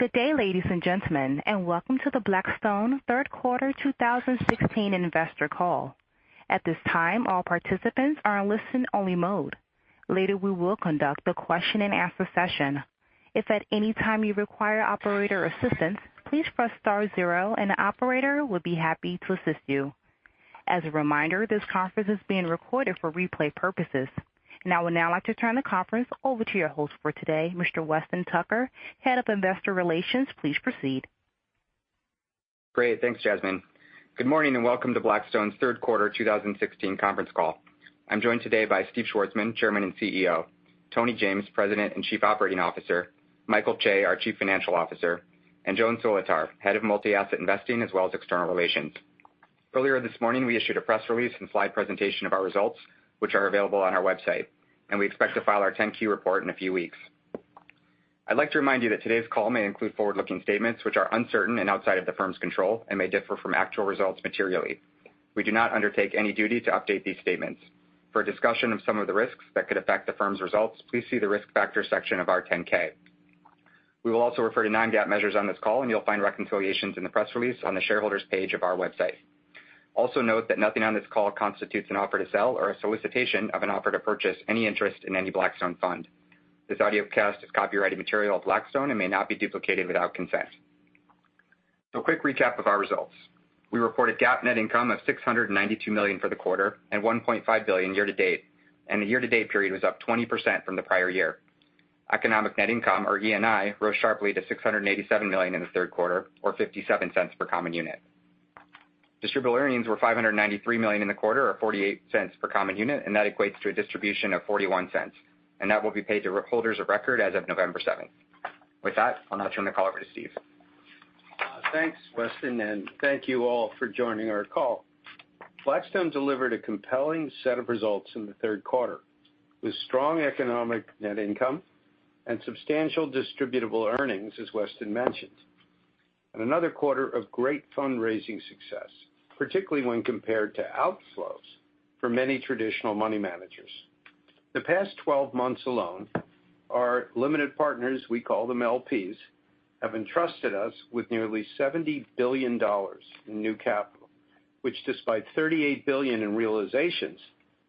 Good day, ladies and gentlemen, and welcome to the Blackstone third quarter 2016 investor call. At this time, all participants are in listen-only mode. Later, we will conduct a question and answer session. If at any time you require operator assistance, please press star zero and an operator would be happy to assist you. As a reminder, this conference is being recorded for replay purposes. I would now like to turn the conference over to your host for today, Mr. Weston Tucker, Head of Investor Relations. Please proceed. Great. Thanks, Jasmine. Good morning and welcome to Blackstone's third quarter 2016 conference call. I'm joined today by Steve Schwarzman, Chairman and CEO, Tony James, President and Chief Operating Officer, Michael Chae, our Chief Financial Officer, and Joan Solotar, Head of Multi-Asset Investing, as well as External Relations. Earlier this morning, we issued a press release and slide presentation of our results, which are available on our website, and we expect to file our 10-Q report in a few weeks. I'd like to remind you that today's call may include forward-looking statements which are uncertain and outside of the firm's control and may differ from actual results materially. We do not undertake any duty to update these statements. For a discussion of some of the risks that could affect the firm's results, please see the Risk Factors section of our 10-K. We will also refer to non-GAAP measures on this call, and you'll find reconciliations in the press release on the shareholders page of our website. Also note that nothing on this call constitutes an offer to sell or a solicitation of an offer to purchase any interest in any Blackstone fund. This audiocast is copyrighted material of Blackstone and may not be duplicated without consent. A quick recap of our results. We reported GAAP net income of $692 million for the quarter and $1.5 billion year to date, and the year to date period was up 20% from the prior year. Economic net income, or ENI, rose sharply to $687 million in the third quarter, or $0.57 per common unit. Distributable earnings were $593 million in the quarter, or $0.48 per common unit, and that equates to a distribution of $0.41. That will be paid to holders of record as of November 7th. With that, I'll now turn the call over to Steve. Thanks, Weston. Thank you all for joining our call. Blackstone delivered a compelling set of results in the third quarter, with strong economic net income and substantial distributable earnings, as Weston mentioned. Another quarter of great fundraising success, particularly when compared to outflows for many traditional money managers. The past 12 months alone, our limited partners, we call them LPs, have entrusted us with nearly $70 billion in new capital, which despite $38 billion in realizations,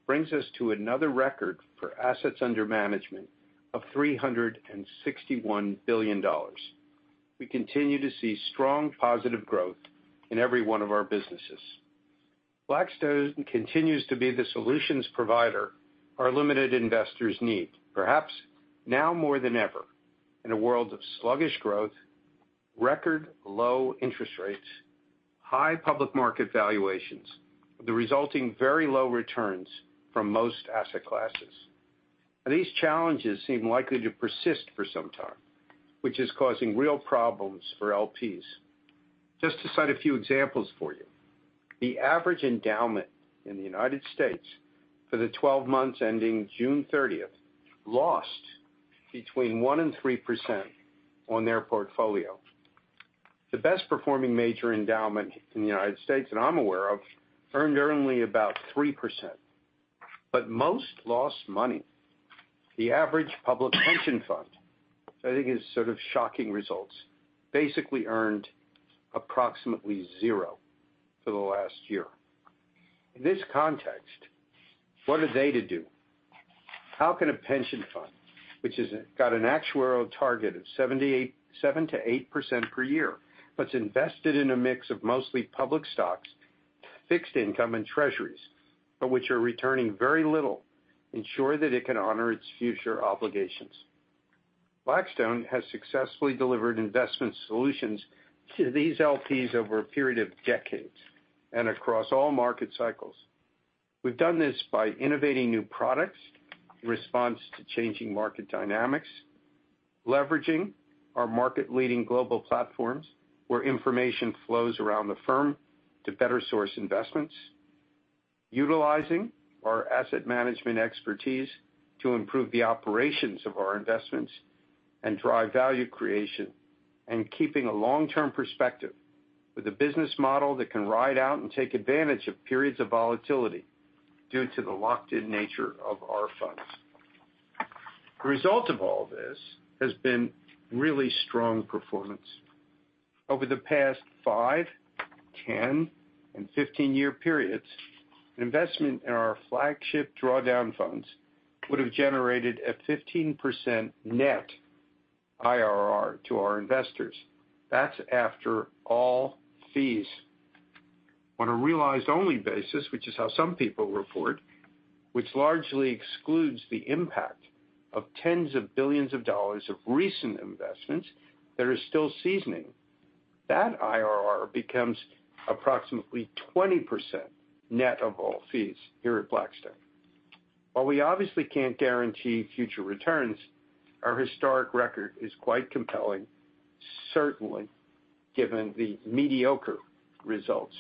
brings us to another record for assets under management of $361 billion. We continue to see strong positive growth in every one of our businesses. Blackstone continues to be the solutions provider our limited investors need, perhaps now more than ever, in a world of sluggish growth, record low interest rates, high public market valuations, the resulting very low returns from most asset classes. These challenges seem likely to persist for some time, which is causing real problems for LPs. Just to cite a few examples for you. The average endowment in the U.S. for the 12 months ending June 30th lost between 1% and 3% on their portfolio. The best performing major endowment in the U.S. that I'm aware of earned only about 3%. Most lost money. The average public pension fund, which I think is sort of shocking results, basically earned approximately zero for the last year. In this context, what are they to do? How can a pension fund, which has got an actuarial target of 7%-8% per year, invested in a mix of mostly public stocks, fixed income, and treasuries, which are returning very little, ensure that it can honor its future obligations? Blackstone has successfully delivered investment solutions to these LPs over a period of decades and across all market cycles. We've done this by innovating new products in response to changing market dynamics, leveraging our market leading global platforms where information flows around the firm to better source investments, utilizing our asset management expertise to improve the operations of our investments and drive value creation, keeping a long-term perspective with a business model that can ride out and take advantage of periods of volatility due to the locked-in nature of our funds. The result of all this has been really strong performance. Over the past five, 10, and 15-year periods, investment in our flagship drawdown funds would have generated a 15% net IRR to our investors. That's after all fees. On a realized only basis, which is how some people report, which largely excludes the impact of tens of billions of dollars of recent investments that are still seasoning. That IRR becomes approximately 20% net of all fees here at Blackstone. While we obviously can't guarantee future returns, our historic record is quite compelling, certainly given the mediocre results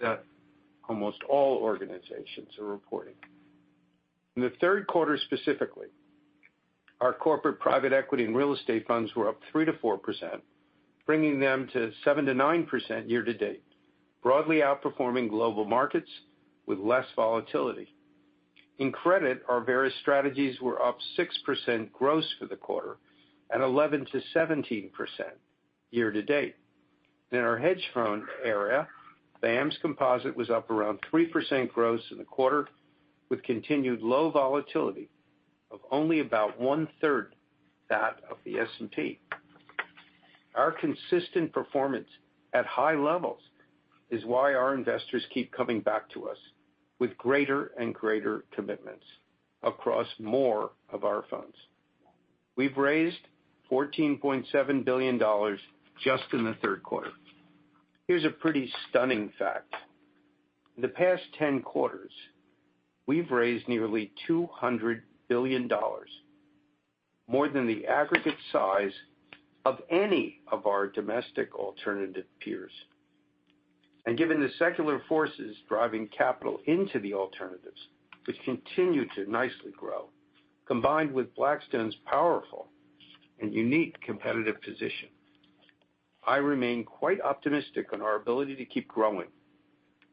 that almost all organizations are reporting. In the third quarter specifically, our corporate private equity and real estate funds were up 3%-4%, bringing them to 7%-9% year to date, broadly outperforming global markets with less volatility. In credit, our various strategies were up 6% gross for the quarter, 11%-17% year to date. In our hedge fund area, the BAAM's composite was up around 3% gross in the quarter, with continued low volatility of only about one-third that of the S&P. Our consistent performance at high levels is why our investors keep coming back to us with greater and greater commitments across more of our funds. We've raised $14.7 billion just in the third quarter. Here's a pretty stunning fact. In the past 10 quarters, we've raised nearly $200 billion, more than the aggregate size of any of our domestic alternative peers. Given the secular forces driving capital into the alternatives, which continue to nicely grow, combined with Blackstone's powerful and unique competitive position, I remain quite optimistic on our ability to keep growing.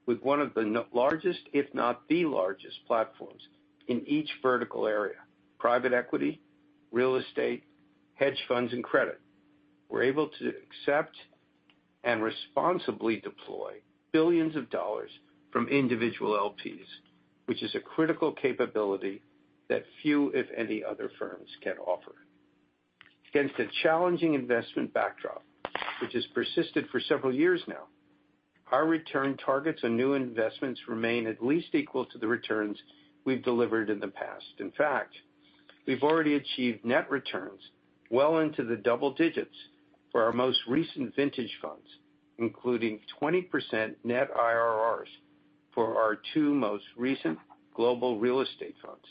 With one of the largest, if not the largest platforms in each vertical area, private equity, real estate, hedge funds, and credit, we're able to accept and responsibly deploy billions of dollars from individual LPs, which is a critical capability that few, if any, other firms can offer. Against a challenging investment backdrop which has persisted for several years now, our return targets on new investments remain at least equal to the returns we've delivered in the past. In fact, we've already achieved net returns well into the double digits for our most recent vintage funds, including 20% net IRRs for our two most recent global real estate funds,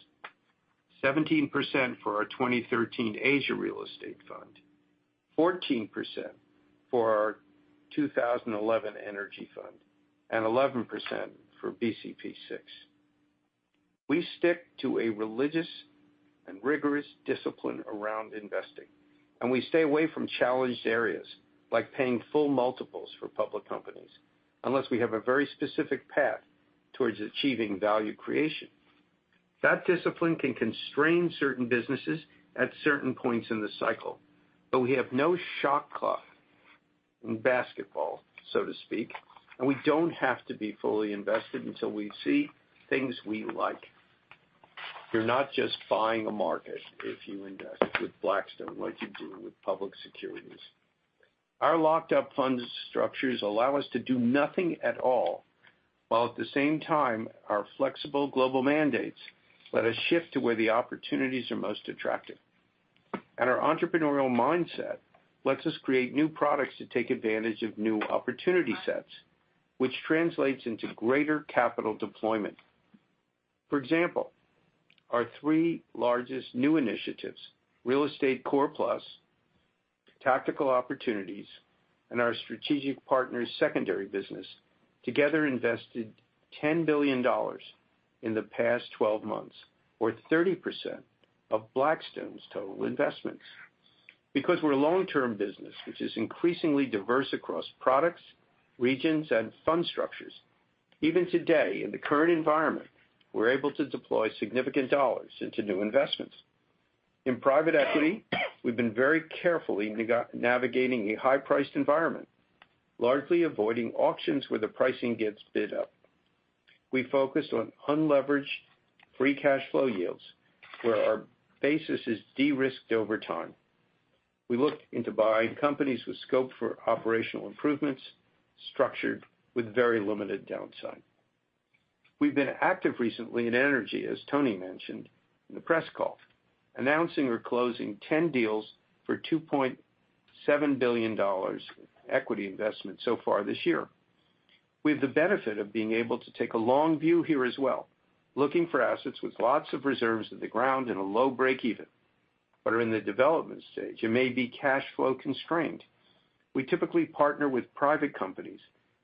17% for our 2013 Asia Real Estate Fund, 14% for our 2011 Energy Fund, and 11% for BCP VI. We stick to a religious and rigorous discipline around investing, we stay away from challenged areas like paying full multiples for public companies, unless we have a very specific path towards achieving value creation. That discipline can constrain certain businesses at certain points in the cycle, we have no shot clock in basketball, so to speak, and we don't have to be fully invested until we see things we like. You're not just buying a market if you invest with Blackstone like you do with public securities. Our locked-up funds structures allow us to do nothing at all, while at the same time our flexible global mandates let us shift to where the opportunities are most attractive. Our entrepreneurial mindset lets us create new products to take advantage of new opportunity sets, which translates into greater capital deployment. For example, our three largest new initiatives, Real Estate Core Plus, Tactical Opportunities, and our strategic partners secondary business, together invested $10 billion in the past 12 months, or 30% of Blackstone's total investments. Because we're a long-term business which is increasingly diverse across products, regions, and fund structures, even today in the current environment, we're able to deploy significant dollars into new investments. In private equity, we've been very carefully navigating a high-priced environment, largely avoiding auctions where the pricing gets bid up. We focus on unleveraged free cash flow yields, where our basis is de-risked over time. We look into buying companies with scope for operational improvements, structured with very limited downside. We've been active recently in energy, as Tony mentioned in the press call, announcing or closing 10 deals for $2.7 billion in equity investments so far this year. We have the benefit of being able to take a long view here as well, looking for assets with lots of reserves in the ground and a low breakeven, but are in the development stage and may be cash flow constrained. We typically partner with private companies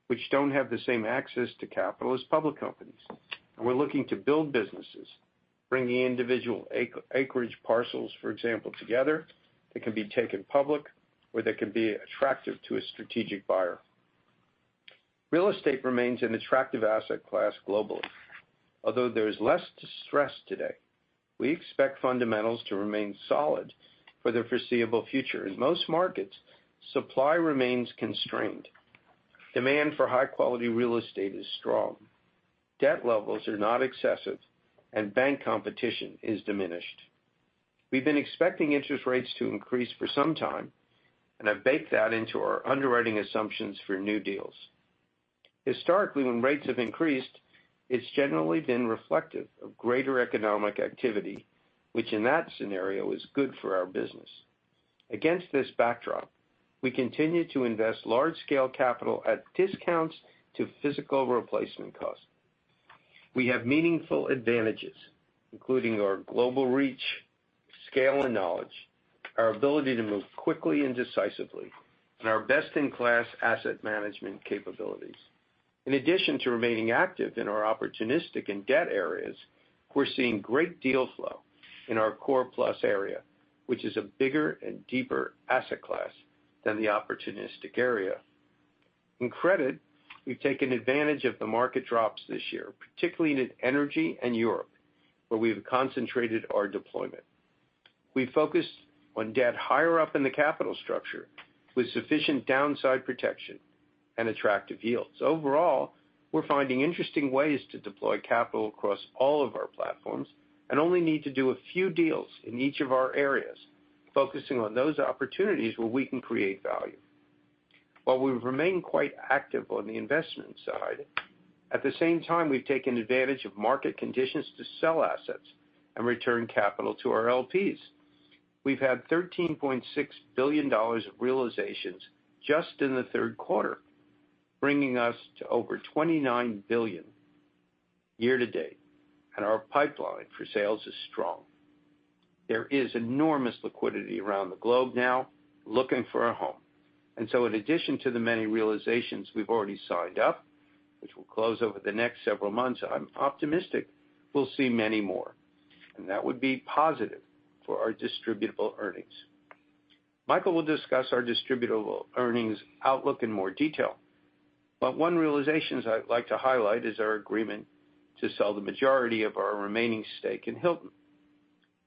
which don't have the same access to capital as public companies. We're looking to build businesses, bringing individual acreage parcels, for example, together that can be taken public or that can be attractive to a strategic buyer. Real estate remains an attractive asset class globally. Although there is less distress today, we expect fundamentals to remain solid for the foreseeable future. In most markets, supply remains constrained. Demand for high-quality real estate is strong. Debt levels are not excessive, and bank competition is diminished. We've been expecting interest rates to increase for some time and have baked that into our underwriting assumptions for new deals. Historically, when rates have increased, it's generally been reflective of greater economic activity, which in that scenario is good for our business. Against this backdrop, we continue to invest large-scale capital at discounts to physical replacement cost. We have meaningful advantages, including our global reach, scale, and knowledge, our ability to move quickly and decisively, and our best-in-class asset management capabilities. In addition to remaining active in our opportunistic and debt areas, we're seeing great deal flow in our Core Plus area, which is a bigger and deeper asset class than the opportunistic area. In credit, we've taken advantage of the market drops this year, particularly in energy and Europe, where we have concentrated our deployment. We focused on debt higher up in the capital structure with sufficient downside protection and attractive yields. Overall, we're finding interesting ways to deploy capital across all of our platforms and only need to do a few deals in each of our areas, focusing on those opportunities where we can create value. While we've remained quite active on the investment side, at the same time, we've taken advantage of market conditions to sell assets and return capital to our LPs. We've had $13.6 billion of realizations just in the third quarter, bringing us to over $29 billion year to date, our pipeline for sales is strong. There is enormous liquidity around the globe now looking for a home. In addition to the many realizations we've already signed up, which will close over the next several months, I'm optimistic we'll see many more, and that would be positive for our distributable earnings. Michael will discuss our distributable earnings outlook in more detail, but one realization I'd like to highlight is our agreement to sell the majority of our remaining stake in Hilton.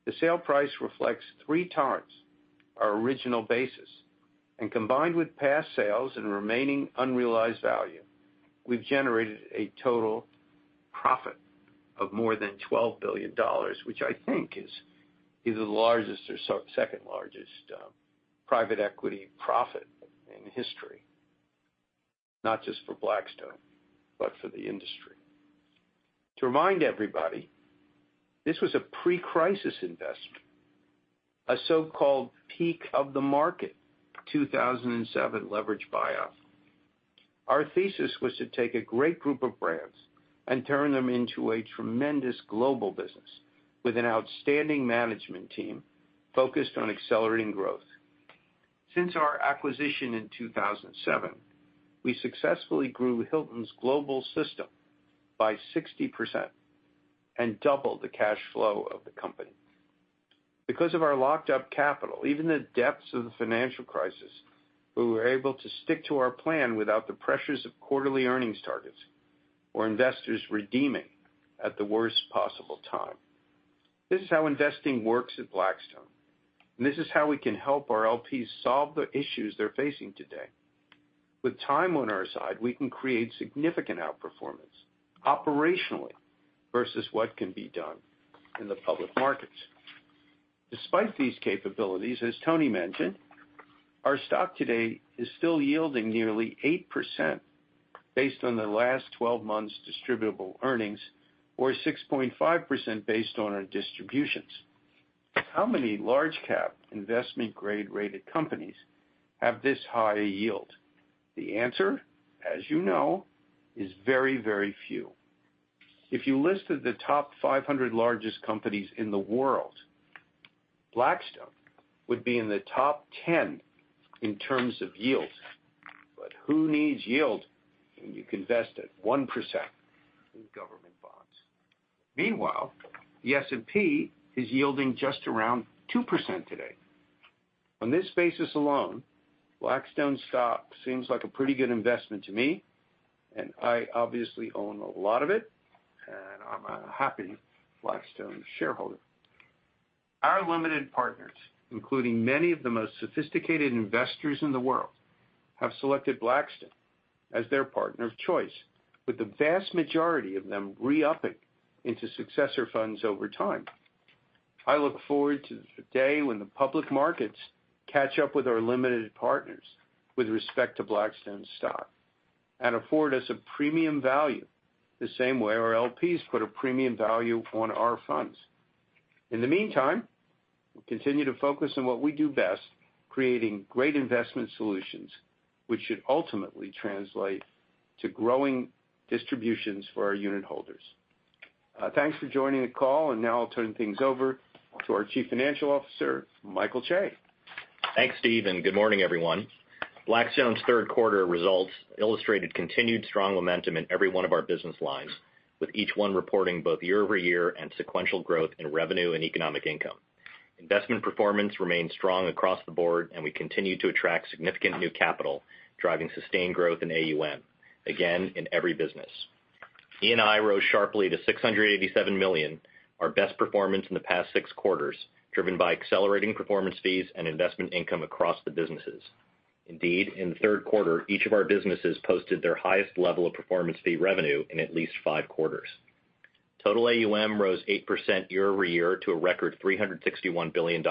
The sale price reflects three times our original basis, combined with past sales and remaining unrealized value, we've generated a total profit of more than $12 billion, which I think is either the largest or second largest private equity profit in history, not just for Blackstone, but for the industry. To remind everybody, this was a pre-crisis investment, a so-called peak of the market 2007 leverage buyout. Our thesis was to take a great group of brands and turn them into a tremendous global business with an outstanding management team focused on accelerating growth. Since our acquisition in 2007, we successfully grew Hilton's global system by 60% and doubled the cash flow of the company. Because of our locked-up capital, even the depths of the financial crisis, we were able to stick to our plan without the pressures of quarterly earnings targets or investors redeeming at the worst possible time. This is how investing works at Blackstone, and this is how we can help our LPs solve the issues they're facing today. With time on our side, we can create significant outperformance operationally versus what can be done in the public markets. Despite these capabilities, as Tony mentioned, our stock today is still yielding nearly 8% based on the last 12 months' distributable earnings or 6.5% based on our distributions. How many large-cap investment grade-rated companies have this high a yield? The answer, as you know, is very, very few. If you listed the top 500 largest companies in the world, Blackstone would be in the top 10 in terms of yield. Who needs yield when you can invest at 1% in government bonds? Meanwhile, the S&P is yielding just around 2% today. On this basis alone, Blackstone stock seems like a pretty good investment to me, and I obviously own a lot of it, and I'm a happy Blackstone shareholder. Our limited partners, including many of the most sophisticated investors in the world, have selected Blackstone as their partner of choice, with the vast majority of them re-upping into successor funds over time. I look forward to the day when the public markets catch up with our limited partners with respect to Blackstone stock and afford us a premium value the same way our LPs put a premium value on our funds. In the meantime, we'll continue to focus on what we do best, creating great investment solutions, which should ultimately translate to growing distributions for our unit holders. Thanks for joining the call, and now I'll turn things over to our Chief Financial Officer, Michael Chae. Thanks, Steve, and good morning, everyone. Blackstone's third quarter results illustrated continued strong momentum in every one of our business lines, with each one reporting both year-over-year and sequential growth in revenue and economic income. Investment performance remained strong across the board, and we continue to attract significant new capital, driving sustained growth in AUM, again, in every business. ENI rose sharply to $687 million, our best performance in the past six quarters, driven by accelerating performance fees and investment income across the businesses. Indeed, in the third quarter, each of our businesses posted their highest level of performance fee revenue in at least five quarters. Total AUM rose 8% year-over-year to a record $361 billion,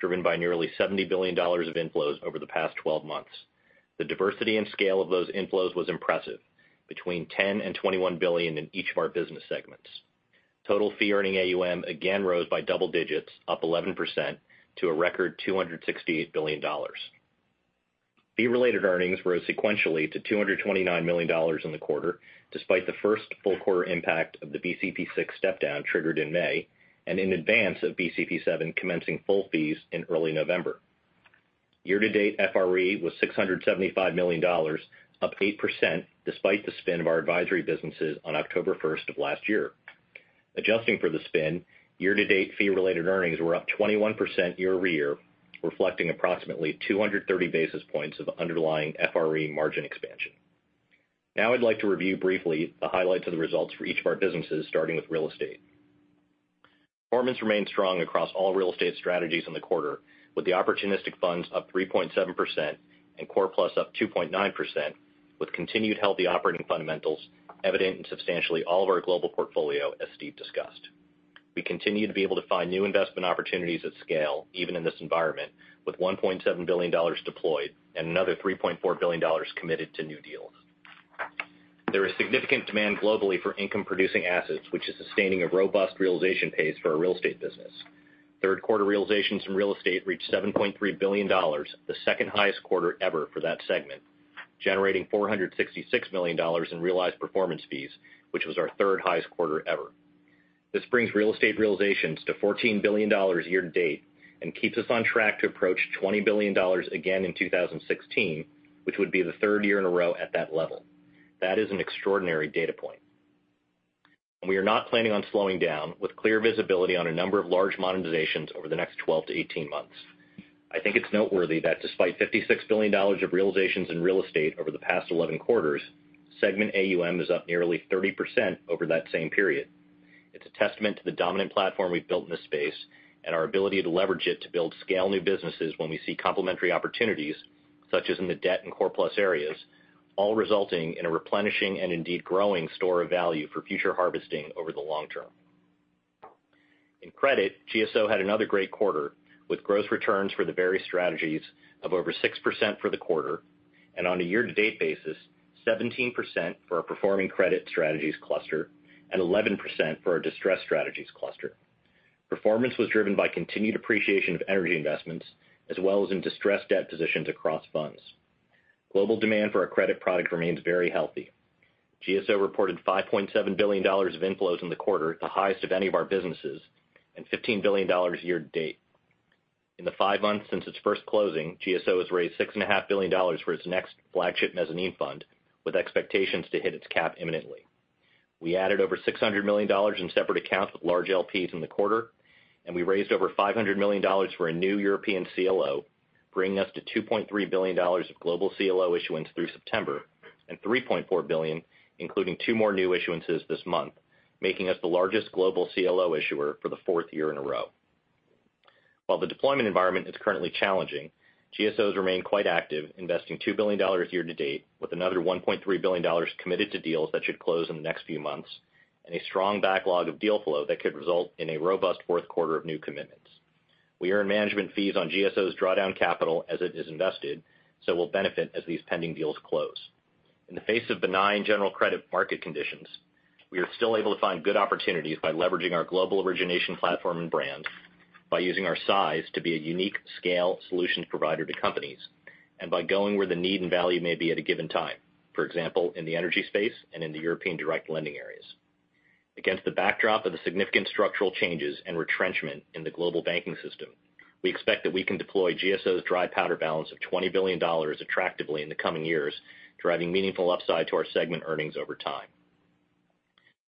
driven by nearly $70 billion of inflows over the past 12 months. The diversity and scale of those inflows was impressive, between $10 billion and $21 billion in each of our business segments. Total fee-earning AUM again rose by double digits, up 11%, to a record $268 billion. Fee-related earnings rose sequentially to $229 million in the quarter, despite the first full quarter impact of the BCP VI step down triggered in May and in advance of BCP VII commencing full fees in early November. Year-to-date, FRE was $675 million, up 8%, despite the spin of our advisory businesses on October 1st of last year. Adjusting for the spin, year-to-date fee-related earnings were up 21% year-over-year, reflecting approximately 230 basis points of underlying FRE margin expansion. I'd like to review briefly the highlights of the results for each of our businesses, starting with real estate. Performance remained strong across all real estate strategies in the quarter, with the opportunistic funds up 3.7% and Core Plus up 2.9%, with continued healthy operating fundamentals evident in substantially all of our global portfolio, as Steve discussed. We continue to be able to find new investment opportunities at scale, even in this environment, with $1.7 billion deployed and another $3.4 billion committed to new deals. There is significant demand globally for income-producing assets, which is sustaining a robust realization pace for our real estate business. Third quarter realizations from real estate reached $7.3 billion, the second highest quarter ever for that segment, generating $466 million in realized performance fees, which was our third highest quarter ever. This brings real estate realizations to $14 billion year-to-date and keeps us on track to approach $20 billion again in 2016, which would be the third year in a row at that level. That is an extraordinary data point. We are not planning on slowing down with clear visibility on a number of large monetizations over the next 12 to 18 months. I think it's noteworthy that despite $56 billion of realizations in real estate over the past 11 quarters, segment AUM is up nearly 30% over that same period. It's a testament to the dominant platform we've built in this space and our ability to leverage it to build scale new businesses when we see complementary opportunities, such as in the debt and Core Plus areas, all resulting in a replenishing and indeed growing store of value for future harvesting over the long term. In credit, GSO had another great quarter, with gross returns for the various strategies of over 6% for the quarter, and on a year-to-date basis, 17% for our performing credit strategies cluster and 11% for our distressed strategies cluster. Performance was driven by continued appreciation of energy investments as well as in distressed debt positions across funds. Global demand for our credit product remains very healthy. GSO reported $5.7 billion of inflows in the quarter, the highest of any of our businesses, and $15 billion year-to-date. In the five months since its first closing, GSO has raised $6.5 billion for its next flagship mezzanine fund, with expectations to hit its cap imminently. We added over $600 million in separate accounts with large LPs in the quarter. We raised over $500 million for a new European CLO, bringing us to $2.3 billion of global CLO issuance through September and $3.4 billion, including two more new issuances this month, making us the largest global CLO issuer for the fourth year in a row. While the deployment environment is currently challenging, GSOs remain quite active, investing $2 billion year to date, with another $1.3 billion committed to deals that should close in the next few months and a strong backlog of deal flow that could result in a robust fourth quarter of new commitments. We earn management fees on GSO's drawdown capital as it is invested. We'll benefit as these pending deals close. In the face of benign general credit market conditions, we are still able to find good opportunities by leveraging our global origination platform and brands by using our size to be a unique scale solution provider to companies and by going where the need and value may be at a given time. For example, in the energy space and in the European direct lending areas. Against the backdrop of the significant structural changes and retrenchment in the global banking system, we expect that we can deploy GSO's dry powder balance of $20 billion attractively in the coming years, driving meaningful upside to our segment earnings over time.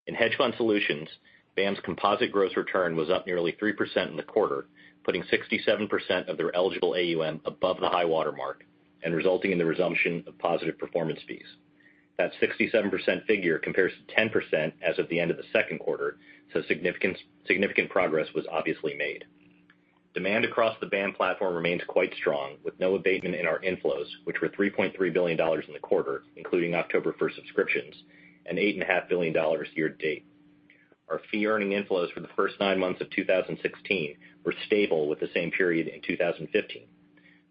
In hedge fund solutions, BAAM's composite gross return was up nearly 3% in the quarter, putting 67% of their eligible AUM above the high water mark and resulting in the resumption of positive performance fees. That 67% figure compares to 10% as of the end of the second quarter. Significant progress was obviously made. Demand across the BAAM platform remains quite strong, with no abatement in our inflows, which were $3.3 billion in the quarter, including October 1st subscriptions and $8.5 billion year to date. Our fee-earning inflows for the first nine months of 2016 were stable with the same period in 2015.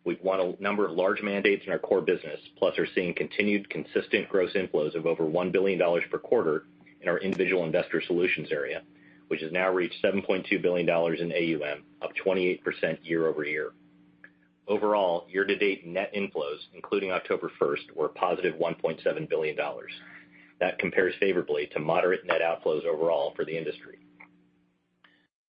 We've won a number of large mandates in our core business, plus are seeing continued consistent gross inflows of over $1 billion per quarter in our individual investor solutions area, which has now reached $7.2 billion in AUM, up 28% year-over-year. Overall, year-to-date net inflows, including October 1st, were a positive $1.7 billion. That compares favorably to moderate net outflows overall for the industry.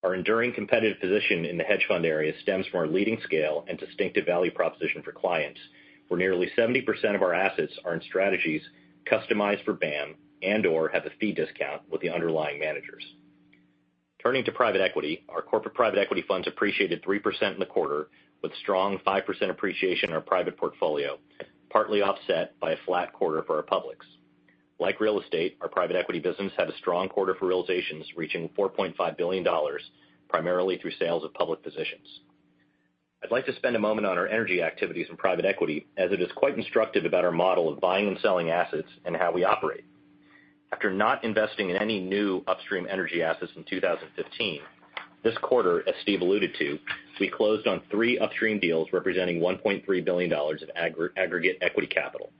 Our enduring competitive position in the hedge fund area stems from our leading scale and distinctive value proposition for clients, where nearly 70% of our assets are in strategies customized for BAAM and/or have a fee discount with the underlying managers. Turning to private equity, our corporate private equity funds appreciated 3% in the quarter with strong 5% appreciation in our private portfolio, partly offset by a flat quarter for our publics. Like real estate, our private equity business had a strong quarter for realizations, reaching $4.5 billion, primarily through sales of public positions. I'd like to spend a moment on our energy activities in private equity as it is quite instructive about our model of buying and selling assets and how we operate. After not investing in any new upstream energy assets in 2015, this quarter, as Steve alluded to, we closed on three upstream deals representing $1.3 billion of aggregate equity capital.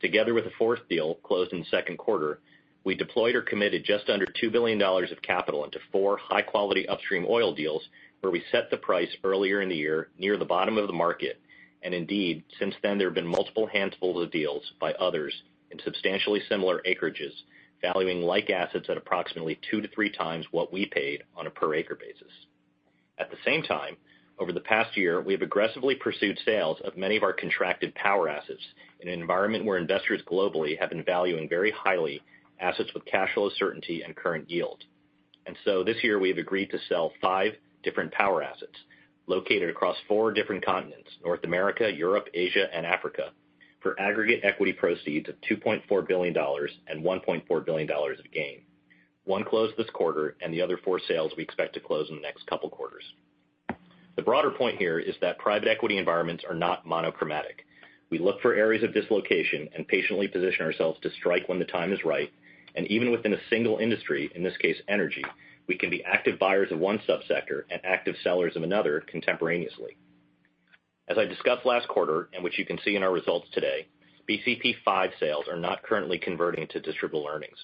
Together with a fourth deal closed in the second quarter, we deployed or committed just under $2 billion of capital into four high-quality upstream oil deals where we set the price earlier in the year, near the bottom of the market. Indeed, since then, there have been multiple handfuls of deals by others in substantially similar acreages, valuing like assets at approximately two to three times what we paid on a per acre basis. At the same time, over the past year, we have aggressively pursued sales of many of our contracted power assets in an environment where investors globally have been valuing very highly assets with cash flow certainty and current yield. This year, we have agreed to sell five different power assets located across four different continents, North America, Europe, Asia, and Africa, for aggregate equity proceeds of $2.4 billion and $1.4 billion of gain. One closed this quarter, and the other four sales we expect to close in the next couple of quarters. The broader point here is that private equity environments are not monochromatic. We look for areas of dislocation and patiently position ourselves to strike when the time is right, even within a single industry, in this case, energy, we can be active buyers of one sub-sector and active sellers of another contemporaneously. As I discussed last quarter and which you can see in our results today, BCP V sales are not currently converting to distributable earnings.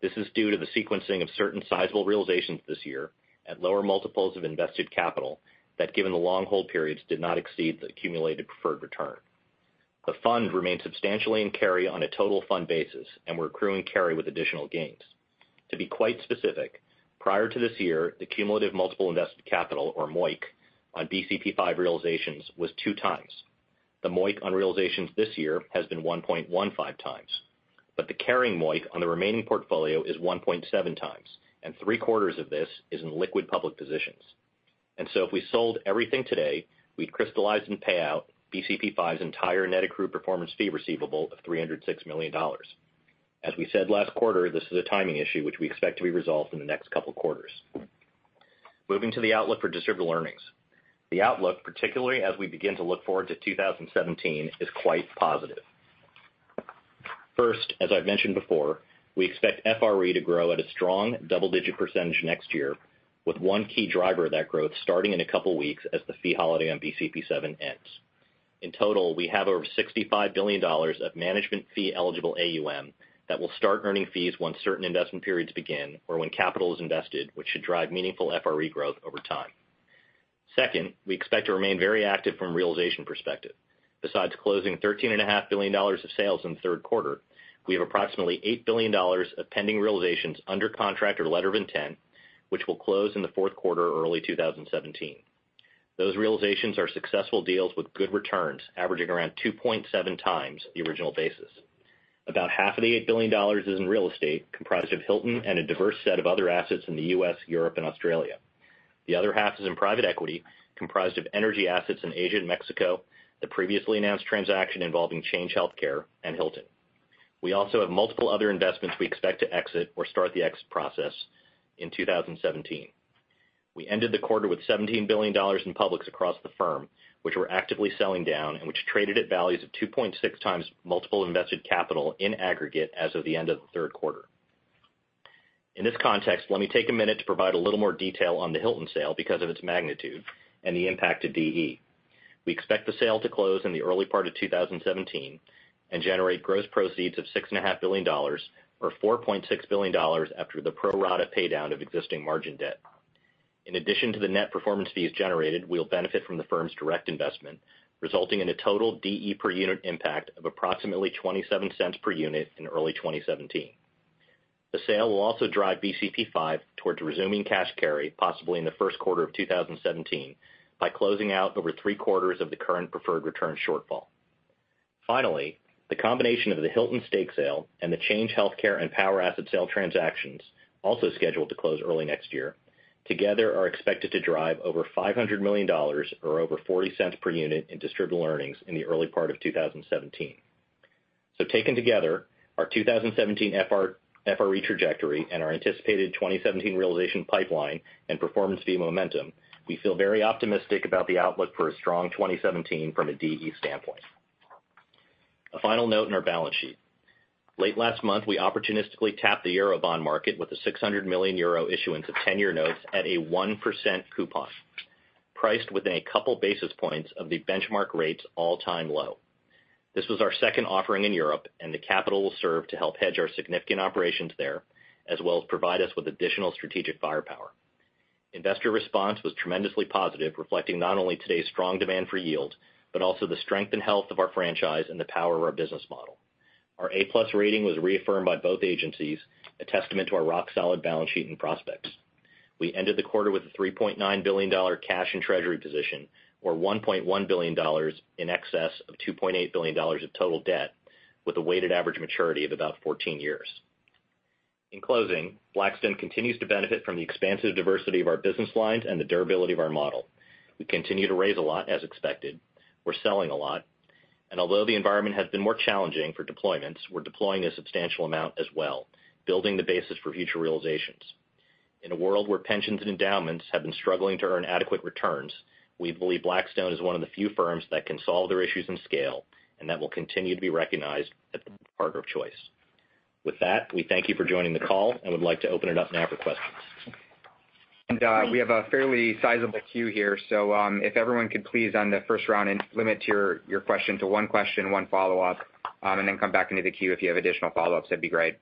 This is due to the sequencing of certain sizable realizations this year at lower multiples of invested capital that, given the long hold periods, did not exceed the accumulated preferred return. The fund remains substantially in carry on a total fund basis and we're accruing carry with additional gains. To be quite specific, prior to this year, the cumulative multiple invested capital or MOIC on BCP V realizations was 2x. The MOIC on realizations this year has been 1.15x. The carrying MOIC on the remaining portfolio is 1.7x, and three-quarters of this is in liquid public positions. If we sold everything today, we'd crystallize and pay out BCP V's entire net accrued performance fee receivable of $306 million. As we said last quarter, this is a timing issue, which we expect to be resolved in the next couple of quarters. Moving to the outlook for distributable earnings. The outlook, particularly as we begin to look forward to 2017, is quite positive. First, as I've mentioned before, we expect FRE to grow at a strong double-digit percentage next year with one key driver of that growth starting in a couple of weeks as the fee holiday on BCP VII ends. In total, we have over $65 billion of management fee eligible AUM that will start earning fees once certain investment periods begin or when capital is invested, which should drive meaningful FRE growth over time. Second, we expect to remain very active from a realization perspective. Besides closing $13.5 billion of sales in the third quarter, we have approximately $8 billion of pending realizations under contract or letter of intent, which will close in the fourth quarter or early 2017. Those realizations are successful deals with good returns averaging around 2.7 times the original basis. About half of the $8 billion is in real estate, comprised of Hilton and a diverse set of other assets in the U.S., Europe, and Australia. The other half is in private equity, comprised of energy assets in Asia and Mexico, the previously announced transaction involving Change Healthcare and Hilton. We also have multiple other investments we expect to exit or start the exit process in 2017. We ended the quarter with $17 billion in public across the firm, which we're actively selling down and which traded at values of 2.6 times multiple invested capital in aggregate as of the end of the third quarter. In this context, let me take a minute to provide a little more detail on the Hilton sale because of its magnitude and the impact to DE. We expect the sale to close in the early part of 2017 and generate gross proceeds of $6.5 billion or $4.6 billion after the pro-rata paydown of existing margin debt. In addition to the net performance fees generated, we'll benefit from the firm's direct investment, resulting in a total DE per unit impact of approximately $0.27 per unit in early 2017. The sale will also drive BCP V towards resuming cash carry possibly in the first quarter of 2017 by closing out over three-quarters of the current preferred return shortfall. Finally, the combination of the Hilton stake sale and the Change Healthcare and power asset sale transactions also scheduled to close early next year, together are expected to drive over $500 million or over $0.40 per unit in distributable earnings in the early part of 2017. Taken together, our 2017 FRE trajectory and our anticipated 2017 realization pipeline and performance fee momentum, we feel very optimistic about the outlook for a strong 2017 from a DE standpoint. A final note on our balance sheet. Late last month, we opportunistically tapped the Euro bond market with a €600 million issuance of 10-year notes at a 1% coupon, priced within a couple of basis points of the benchmark rate's all-time low. This was our second offering in Europe, and the capital will serve to help hedge our significant operations there, as well as provide us with additional strategic firepower. Investor response was tremendously positive, reflecting not only today's strong demand for yield, but also the strength and health of our franchise and the power of our business model. Our A+ rating was reaffirmed by both agencies, a testament to our rock-solid balance sheet and prospects. We ended the quarter with a $3.9 billion cash and treasury position or $1.1 billion in excess of $2.8 billion of total debt with a weighted average maturity of about 14 years. In closing, Blackstone continues to benefit from the expansive diversity of our business lines and the durability of our model. We continue to raise a lot as expected. We're selling a lot. Although the environment has been more challenging for deployments, we're deploying a substantial amount as well, building the basis for future realizations. In a world where pensions and endowments have been struggling to earn adequate returns, we believe Blackstone is one of the few firms that can solve their issues in scale and that will continue to be recognized as the partner of choice. With that, we thank you for joining the call and would like to open it up now for questions. We have a fairly sizable queue here. If everyone could please on the first round and limit your question to one question, one follow-up, and then come back into the queue if you have additional follow-ups, that'd be great.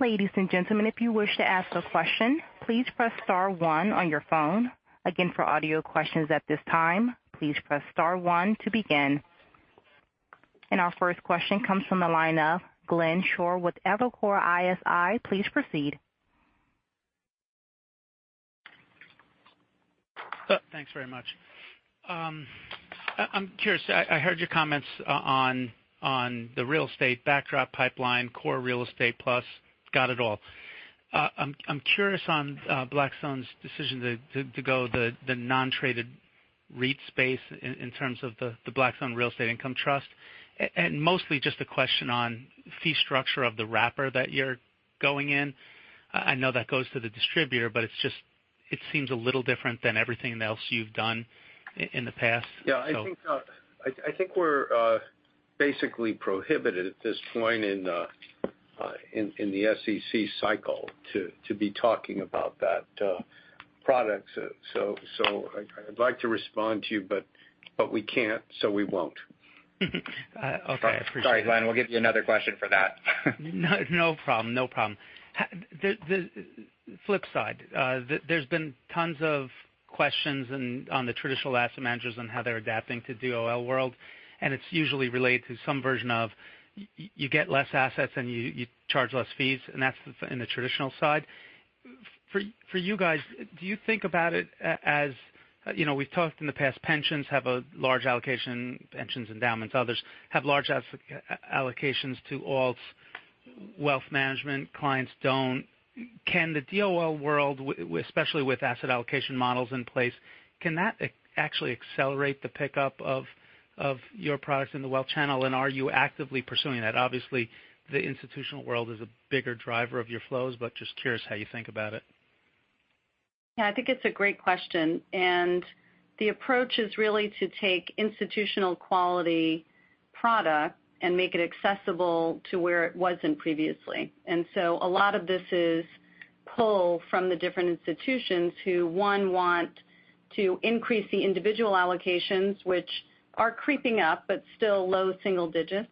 Ladies and gentlemen, if you wish to ask a question, please press star one on your phone. Again, for audio questions at this time, please press star one to begin. Our first question comes from the line of Glenn Schorr with Evercore ISI. Please proceed. Thanks very much. I'm curious, I heard your comments on the real estate backdrop pipeline, Core Real Estate Plus, got it all. I'm curious on Blackstone's decision to go the non-traded REIT space in terms of the Blackstone Real Estate Income Trust, and mostly just a question on fee structure of the wrapper that you're going in. I know that goes to the distributor, but it seems a little different than everything else you've done in the past. Yeah, I think we're basically prohibited at this point in the SEC cycle to be talking about that product. I'd like to respond to you, but we can't, so we won't. Okay. I appreciate that. Sorry, Glenn. We'll give you another question for that. No problem. The flip side, there's been tons of questions on the traditional asset managers and how they're adapting to DOL world, and it's usually related to some version of, you get less assets and you charge less fees, and that's in the traditional side. For you guys, do you think about it as, we've talked in the past, pensions have a large allocation, pensions, endowments, others, have large allocations to alts, wealth management clients don't. Can the DOL world, especially with asset allocation models in place, can that actually accelerate the pickup of your products in the wealth channel? Are you actively pursuing that? Obviously, the institutional world is a bigger driver of your flows, but just curious how you think about it. I think it's a great question, the approach is really to take institutional quality product and make it accessible to where it wasn't previously. A lot of this is pull from the different institutions who, one, want to increase the individual allocations, which are creeping up but still low single digits,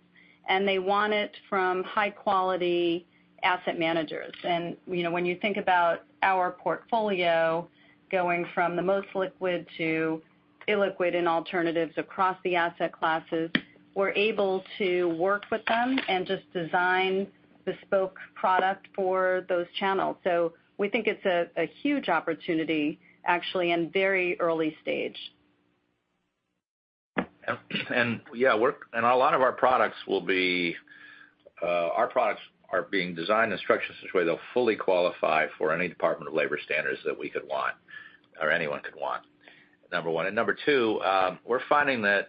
and they want it from high-quality asset managers. When you think about our portfolio going from the most liquid to illiquid in alternatives across the asset classes, we're able to work with them and just design bespoke product for those channels. We think it's a huge opportunity, actually, very early stage. A lot of our products are being designed and structured in such a way they'll fully qualify for any Department of Labor standards that we could want or anyone could want, number one. Number two, we're finding that,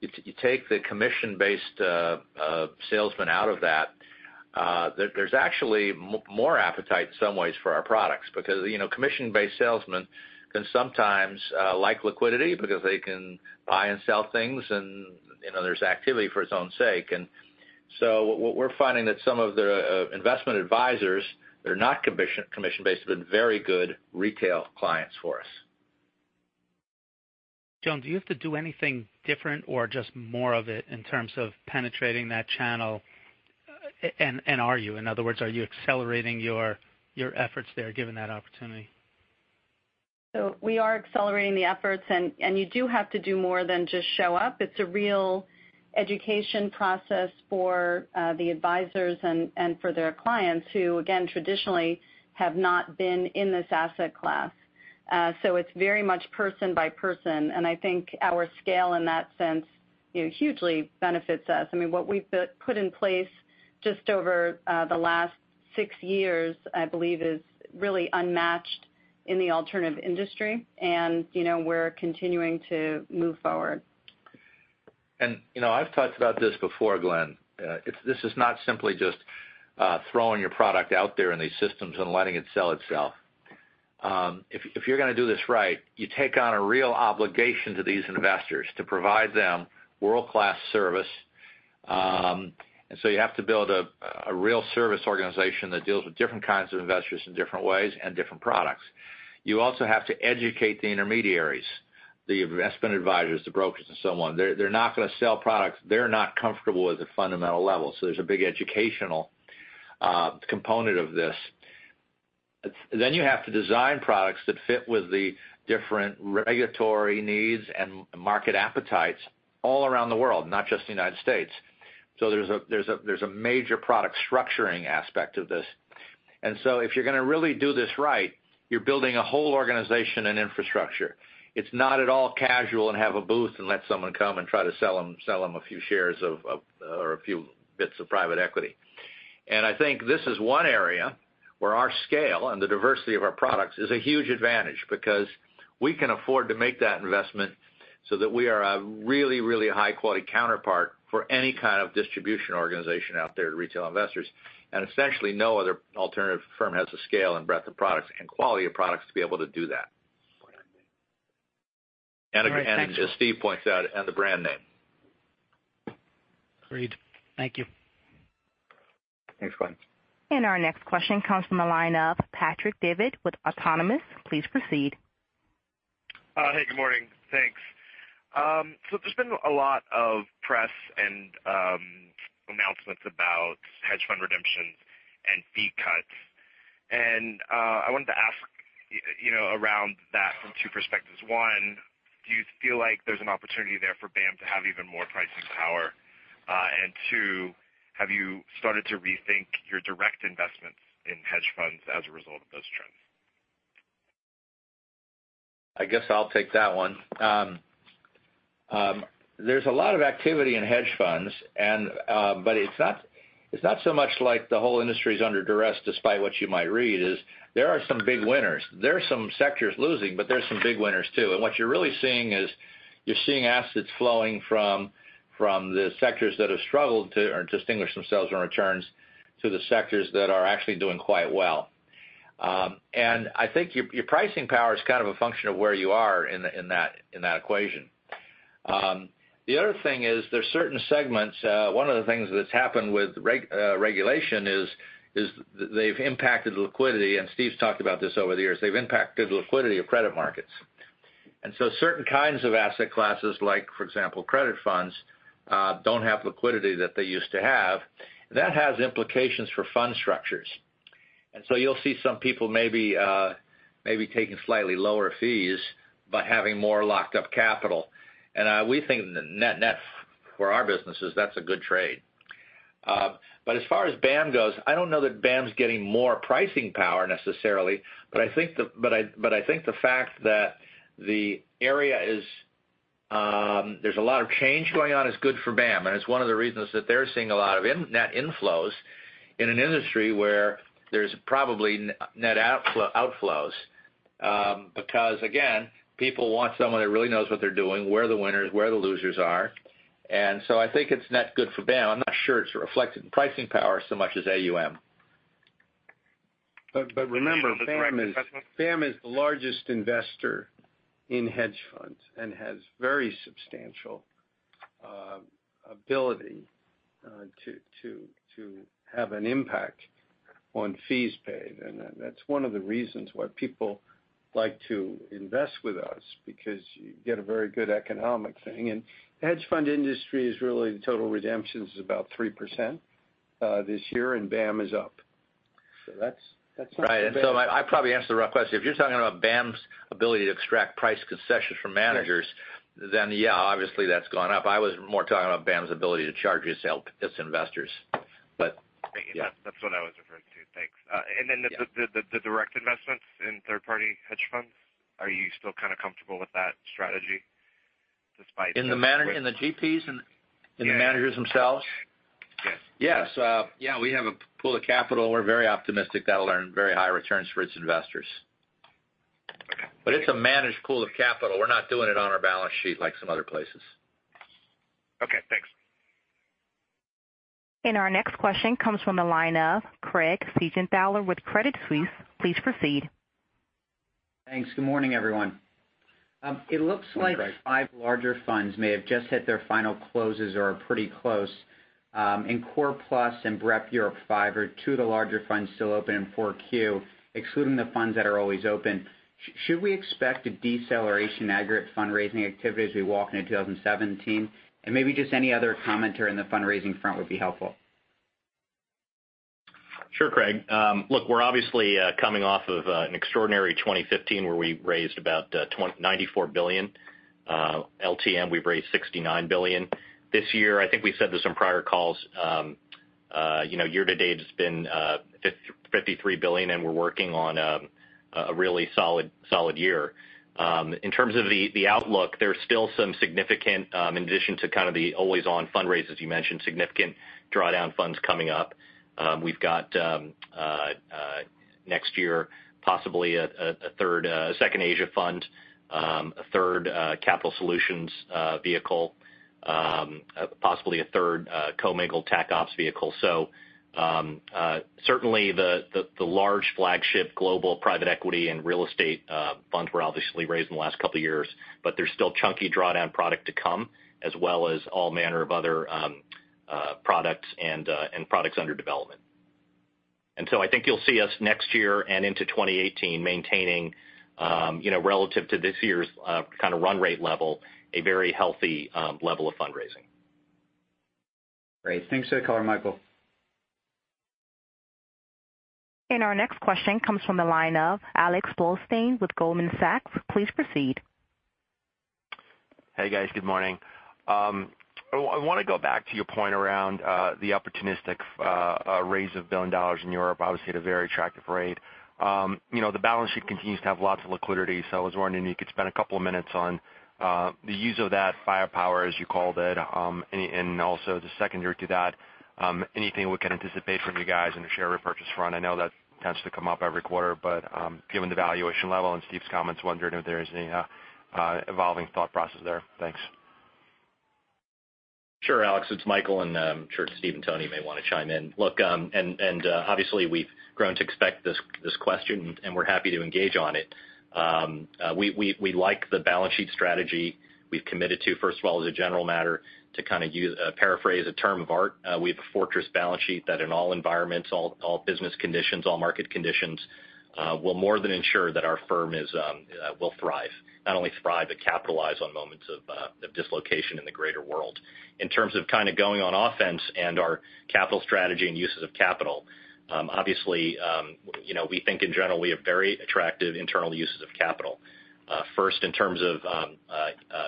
you take the commission-based salesman out of that, there's actually more appetite in some ways for our products because commission-based salesmen can sometimes like liquidity because they can buy and sell things and there's activity for its own sake. What we're finding that some of the investment advisors that are not commission-based have been very good retail clients for us. Joan, do you have to do anything different or just more of it in terms of penetrating that channel? And are you? In other words, are you accelerating your efforts there, given that opportunity? We are accelerating the efforts, you do have to do more than just show up. It's a real education process for the advisors and for their clients who, again, traditionally have not been in this asset class. It's very much person by person, I think our scale in that sense hugely benefits us. What we've put in place just over the last six years, I believe, is really unmatched in the alternative industry, we're continuing to move forward. I've talked about this before, Glenn. This is not simply just throwing your product out there in these systems and letting it sell itself. If you're going to do this right, you take on a real obligation to these investors to provide them world-class service. You have to build a real service organization that deals with different kinds of investors in different ways and different products. You also have to educate the intermediaries, the investment advisors, the brokers, and so on. They're not going to sell products they're not comfortable with at a fundamental level. There's a big educational component of this. You have to design products that fit with the different regulatory needs and market appetites all around the world, not just the U.S. There's a major product structuring aspect of this. If you're going to really do this right, you're building a whole organization and infrastructure. It's not at all casual and have a booth and let someone come and try to sell them a few shares or a few bits of private equity. I think this is one area where our scale and the diversity of our products is a huge advantage because we can afford to make that investment so that we are a really high-quality counterpart for any kind of distribution organization out there to retail investors. Essentially, no other alternative firm has the scale and breadth of products and quality of products to be able to do that. All right. Thanks, Joan. As Steve points out, and the brand name. Agreed. Thank you. Thanks, Glenn. Our next question comes from the line of Patrick Davitt with Autonomous. Please proceed. Hey, good morning. Thanks. There's been a lot of press and announcements about hedge fund redempt- fee cuts. I wanted to ask around that from two perspectives. One, do you feel like there's an opportunity there for BAAM to have even more pricing power? Two, have you started to rethink your direct investments in hedge funds as a result of those trends? I guess I'll take that one. There's a lot of activity in hedge funds, but it's not so much like the whole industry's under duress despite what you might read. There are some big winners. There are some sectors losing, but there are some big winners, too. What you're really seeing is, you're seeing assets flowing from the sectors that have struggled to distinguish themselves on returns to the sectors that are actually doing quite well. I think your pricing power is a function of where you are in that equation. The other thing is, there's certain segments. One of the things that's happened with regulation is they've impacted liquidity, and Steve's talked about this over the years. They've impacted liquidity of credit markets. So certain kinds of asset classes, like for example, credit funds, don't have liquidity that they used to have. That has implications for fund structures. So you'll see some people maybe taking slightly lower fees by having more locked-up capital. We think the net net for our businesses, that's a good trade. As far as BAAM goes, I don't know that BAAM's getting more pricing power necessarily, but I think the fact that the area there's a lot of change going on is good for BAAM, and it's one of the reasons that they're seeing a lot of net inflows in an industry where there's probably net outflows. Again, people want someone that really knows what they're doing, where are the winners, where the losers are. So I think it's net good for BAAM. I'm not sure it's reflected in pricing power so much as AUM. Remember. The direct investment BAAM is the largest investor in hedge funds and has very substantial ability to have an impact on fees paid. That's one of the reasons why people like to invest with us, because you get a very good economic thing. Hedge fund industry is really, the total redemptions is about 3% this year, and BAAM is up. Right. I probably answered the wrong question. If you're talking about BAAM's ability to extract price concessions from managers. Yes Yeah, obviously that's gone up. I was more talking about BAAM's ability to charge its investors. Yeah. That's what I was referring to. Thanks. The direct investments in third-party hedge funds, are you still kind of comfortable with that strategy despite- In the GPs and- Yeah in the managers themselves? Yes. Yes. We have a pool of capital. We're very optimistic that'll earn very high returns for its investors. Okay. It's a managed pool of capital. We're not doing it on our balance sheet like some other places. Okay, thanks. Our next question comes from the line of Craig Siegenthaler with Credit Suisse. Please proceed. Thanks. Good morning, everyone. Good morning, Craig. It looks like five larger funds may have just hit their final closes or are pretty close. Core Plus and BREP Europe V are two of the larger funds still open in 4Q, excluding the funds that are always open. Should we expect a deceleration in aggregate fundraising activity as we walk into 2017? Maybe just any other commentary in the fundraising front would be helpful. Sure, Craig. Look, we're obviously coming off of an extraordinary 2015 where we raised about $94 billion. LTM, we've raised $69 billion. This year, I think we said this in prior calls. Year to date has been $53 billion, and we're working on a really solid year. In terms of the outlook, there's still some significant, in addition to kind of the always-on fundraise, as you mentioned, significant drawdown funds coming up. We've got, next year, possibly a second Asia fund, a third capital solutions vehicle, possibly a third co-mingle Tac Opps vehicle. Certainly the large flagship global private equity and real estate funds were obviously raised in the last couple of years, but there's still chunky drawdown product to come, as well as all manner of other products and products under development. I think you'll see us next year and into 2018 maintaining, relative to this year's kind of run rate level, a very healthy level of fundraising. Great. Thanks for the color, Michael. Our next question comes from the line of Alex Blostein with Goldman Sachs. Please proceed. Hey, guys. Good morning. I want to go back to your point around the opportunistic raise of billion dollars in Europe, obviously at a very attractive rate. The balance sheet continues to have lots of liquidity. I was wondering if you could spend a couple of minutes on the use of that firepower, as you called it, and also the secondary to that. Anything we can anticipate from you guys in the share repurchase front? I know that tends to come up every quarter, but given the valuation level and Steve's comments, wondering if there is any evolving thought process there. Thanks. Sure, Alex. It's Michael, I'm sure Steve and Tony may want to chime in. Obviously we've grown to expect this question, and we're happy to engage on it. We like the balance sheet strategy we've committed to, first of all, as a general matter, to kind of paraphrase a term of art. We have a fortress balance sheet that in all environments, all business conditions, all market conditions will more than ensure that our firm will thrive. Not only thrive, but capitalize on moments of dislocation in the greater world. In terms of going on offense and our capital strategy and uses of capital, obviously, we think in general, we have very attractive internal uses of capital. First, in terms of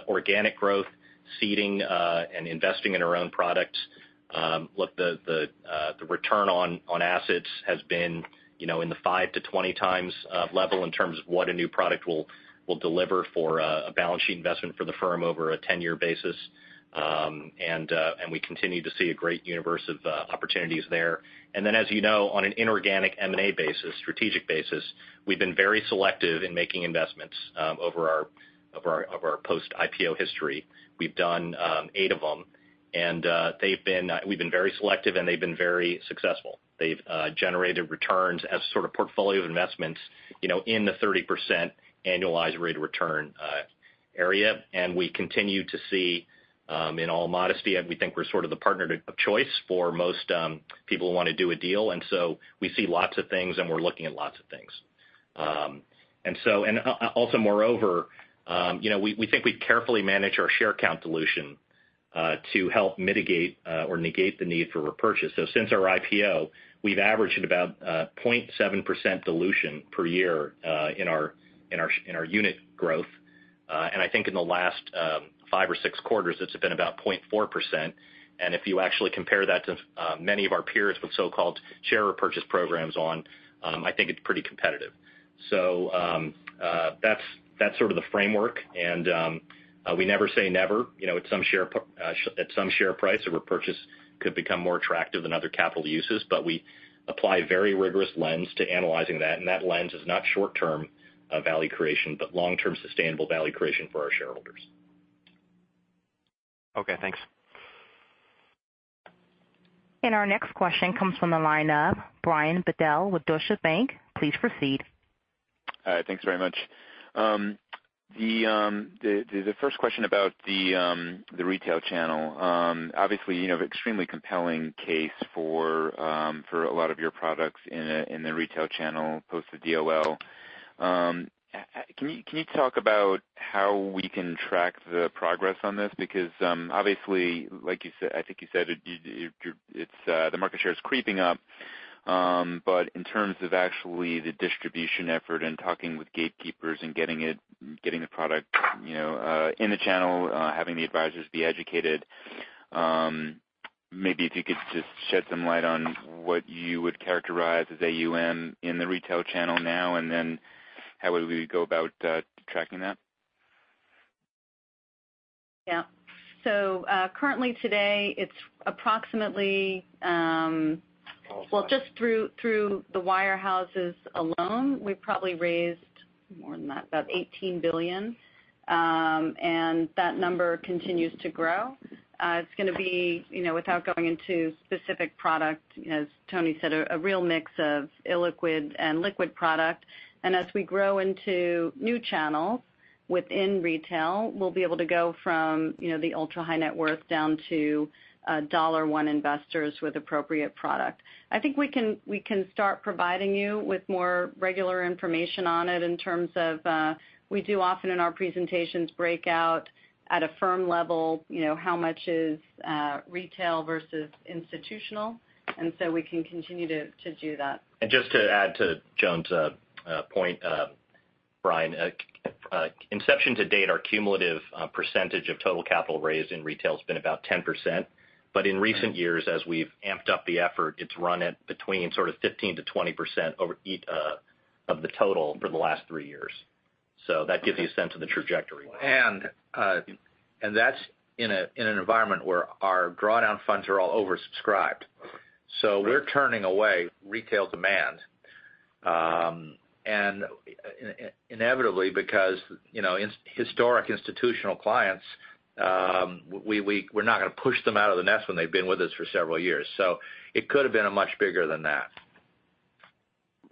organic growth, seeding, and investing in our own products. Look, the return on assets has been in the five to 20 times level in terms of what a new product will deliver for a balance sheet investment for the firm over a 10-year basis. We continue to see a great universe of opportunities there. Then, as you know, on an inorganic M&A basis, strategic basis, we've been very selective in making investments over our post-IPO history. We've done eight of them. We've been very selective, and they've been very successful. They've generated returns as sort of portfolio investments in the 30% annualized rate of return area. We continue to see, in all modesty, and we think we're sort of the partner of choice for most people who want to do a deal. We see lots of things, and we're looking at lots of things. Also, moreover, we think we carefully manage our share count dilution to help mitigate or negate the need for repurchase. Since our IPO, we've averaged at about 0.7% dilution per year in our unit growth. I think in the last five or six quarters, it's been about 0.4%. If you actually compare that to many of our peers with so-called share repurchase programs on, I think it's pretty competitive. That's sort of the framework. We never say never. At some share price, a repurchase could become more attractive than other capital uses, but we apply a very rigorous lens to analyzing that. That lens is not short-term value creation, but long-term sustainable value creation for our shareholders. Okay, thanks. Our next question comes from the line of Brian Bedell with Deutsche Bank. Please proceed. Thanks very much. The first question about the retail channel. Obviously, you have extremely compelling case for a lot of your products in the retail channel, post the DOL. Can you talk about how we can track the progress on this? Obviously, I think you said the market share is creeping up. In terms of actually the distribution effort and talking with gatekeepers and getting the product in the channel, having the advisors be educated. Maybe if you could just shed some light on what you would characterize as AUM in the retail channel now, and then how would we go about tracking that? Yeah. Currently today, just through the wirehouses alone, we've probably raised more than that, about $18 billion. That number continues to grow. It's going to be, without going into specific product, as Tony said, a real mix of illiquid and liquid product. As we grow into new channels within retail, we'll be able to go from the ultra-high net worth down to dollar one investors with appropriate product. I think we can start providing you with more regular information on it in terms of, we do often in our presentations break out at a firm level how much is retail versus institutional. We can continue to do that. Just to add to Joan's point, Brian, inception to date, our cumulative percentage of total capital raised in retail has been about 10%. In recent years, as we've amped up the effort, it's run at between sort of 15%-20% of the total for the last three years. That gives you a sense of the trajectory. That's in an environment where our drawdown funds are all oversubscribed. We're turning away retail demand. Inevitably, because historic institutional clients, we're not going to push them out of the nest when they've been with us for several years. It could have been much bigger than that.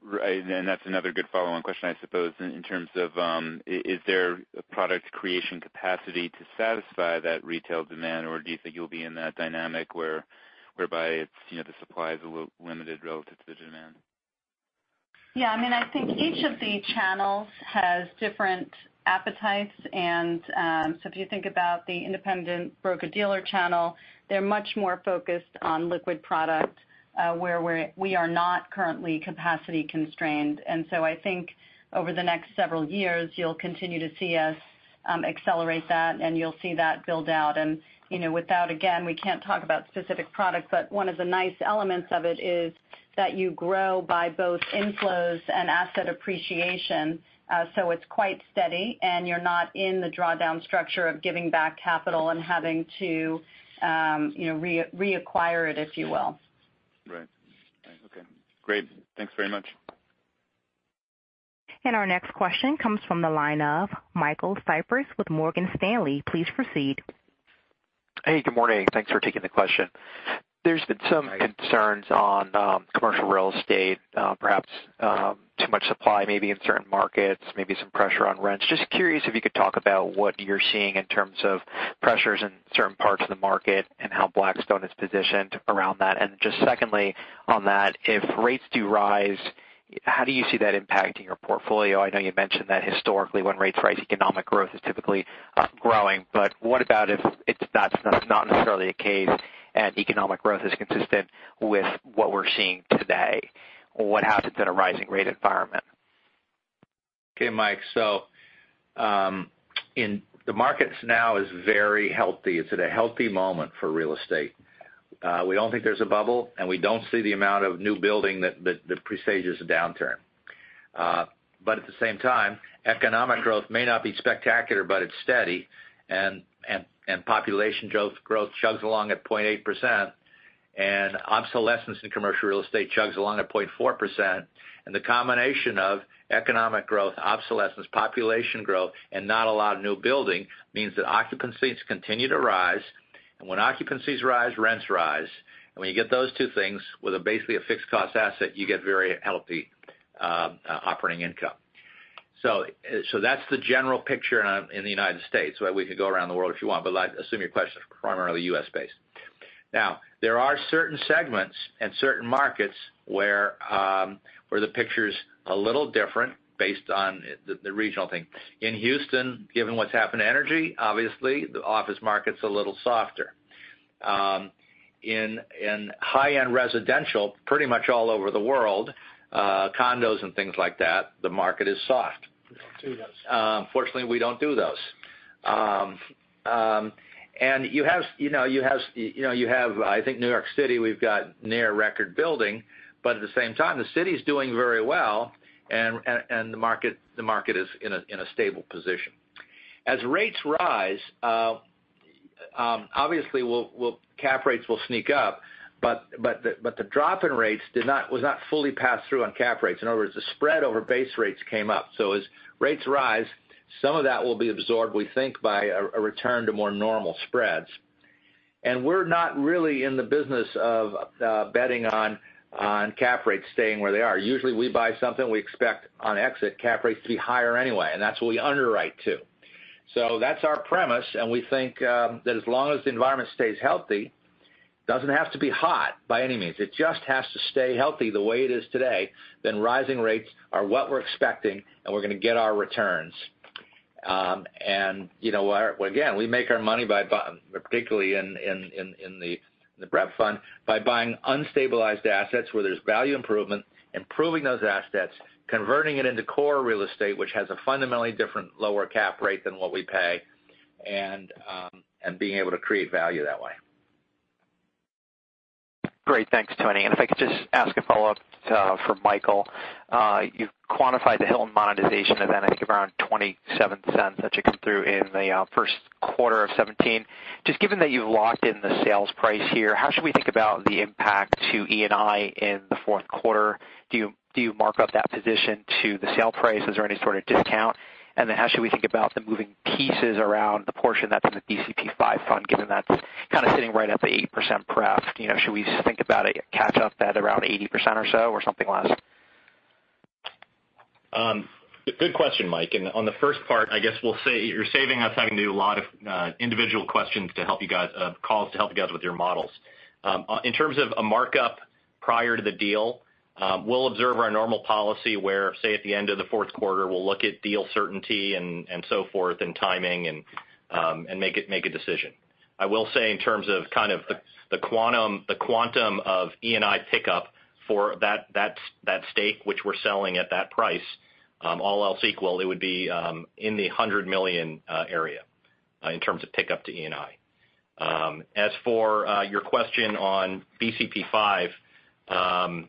Right. That's another good follow-on question, I suppose, in terms of, is there a product creation capacity to satisfy that retail demand? Or do you think you'll be in that dynamic whereby the supply is limited relative to demand? Yeah. I think each of the channels has different appetites. If you think about the independent broker-dealer channel, they're much more focused on liquid product, where we are not currently capacity constrained. I think over the next several years, you'll continue to see us accelerate that, and you'll see that build out. Without, again, we can't talk about specific product, but one of the nice elements of it is that you grow by both inflows and asset appreciation. It's quite steady, and you're not in the drawdown structure of giving back capital and having to reacquire it, if you will. Right. Okay, great. Thanks very much. Our next question comes from the line of Michael Cyprys with Morgan Stanley. Please proceed. Hey, good morning. Thanks for taking the question. There's been some concerns on commercial real estate. Perhaps too much supply, maybe in certain markets, maybe some pressure on rents. Just curious if you could talk about what you're seeing in terms of pressures in certain parts of the market and how Blackstone is positioned around that. If rates do rise, how do you see that impacting your portfolio? I know you mentioned that historically when rates rise, economic growth is typically growing. What about if that's not necessarily the case, and economic growth is consistent with what we're seeing today? What happens in a rising rate environment? Okay, Mike. The markets now is very healthy. It's at a healthy moment for real estate. We don't think there's a bubble, and we don't see the amount of new building that presages a downturn. At the same time, economic growth may not be spectacular, but it's steady. Population growth chugs along at 0.8%, and obsolescence in commercial real estate chugs along at 0.4%. The combination of economic growth, obsolescence, population growth, and not a lot of new building means that occupancies continue to rise. When occupancies rise, rents rise. When you get those two things with basically a fixed cost asset, you get very healthy operating income. That's the general picture in the U.S. We could go around the world if you want, but I assume your question is primarily U.S.-based. There are certain segments and certain markets where the picture's a little different based on the regional thing. In Houston, given what's happened to energy, obviously, the office market's a little softer. In high-end residential, pretty much all over the world, condos and things like that, the market is soft. We don't do those. Fortunately, we don't do those. You have, I think New York City, we've got near record building, but at the same time, the city's doing very well, and the market is in a stable position. As rates rise, obviously cap rates will sneak up, but the drop in rates was not fully passed through on cap rates. In other words, the spread over base rates came up. As rates rise, some of that will be absorbed, we think, by a return to more normal spreads. We're not really in the business of betting on cap rates staying where they are. Usually, we buy something, we expect on exit cap rates to be higher anyway, and that's what we underwrite to. That's our premise, and we think that as long as the environment stays healthy, doesn't have to be hot by any means, it just has to stay healthy the way it is today, then rising rates are what we're expecting, and we're going to get our returns. Again, we make our money, particularly in the BREP fund, by buying unstabilized assets where there's value improvement, improving those assets, converting it into core real estate, which has a fundamentally different lower cap rate than what we pay, and being able to create value that way. Great. Thanks, Tony. If I could just ask a follow-up for Michael. You've quantified the Hilton monetization event, I think, around $0.27 that should come through in the first quarter of 2017. Just given that you've locked in the sales price here, how should we think about the impact to ENI in the fourth quarter? Do you mark up that position to the sale price? Is there any sort of discount? Then how should we think about the moving pieces around the portion that's in the BCP V fund, given that's kind of sitting right at the 8% pref? Should we think about it catch up at around 80% or so or something less? Good question, Mike. On the first part, I guess we'll say you're saving us having to do a lot of individual calls to help you guys with your models. In terms of a markup prior to the deal, we'll observe our normal policy where, say, at the end of the fourth quarter, we'll look at deal certainty and so forth and timing and make a decision. I will say in terms of kind of the quantum of ENI pickup for that stake which we're selling at that price, all else equal, it would be in the $100 million area in terms of pickup to ENI. As for your question on BCP V,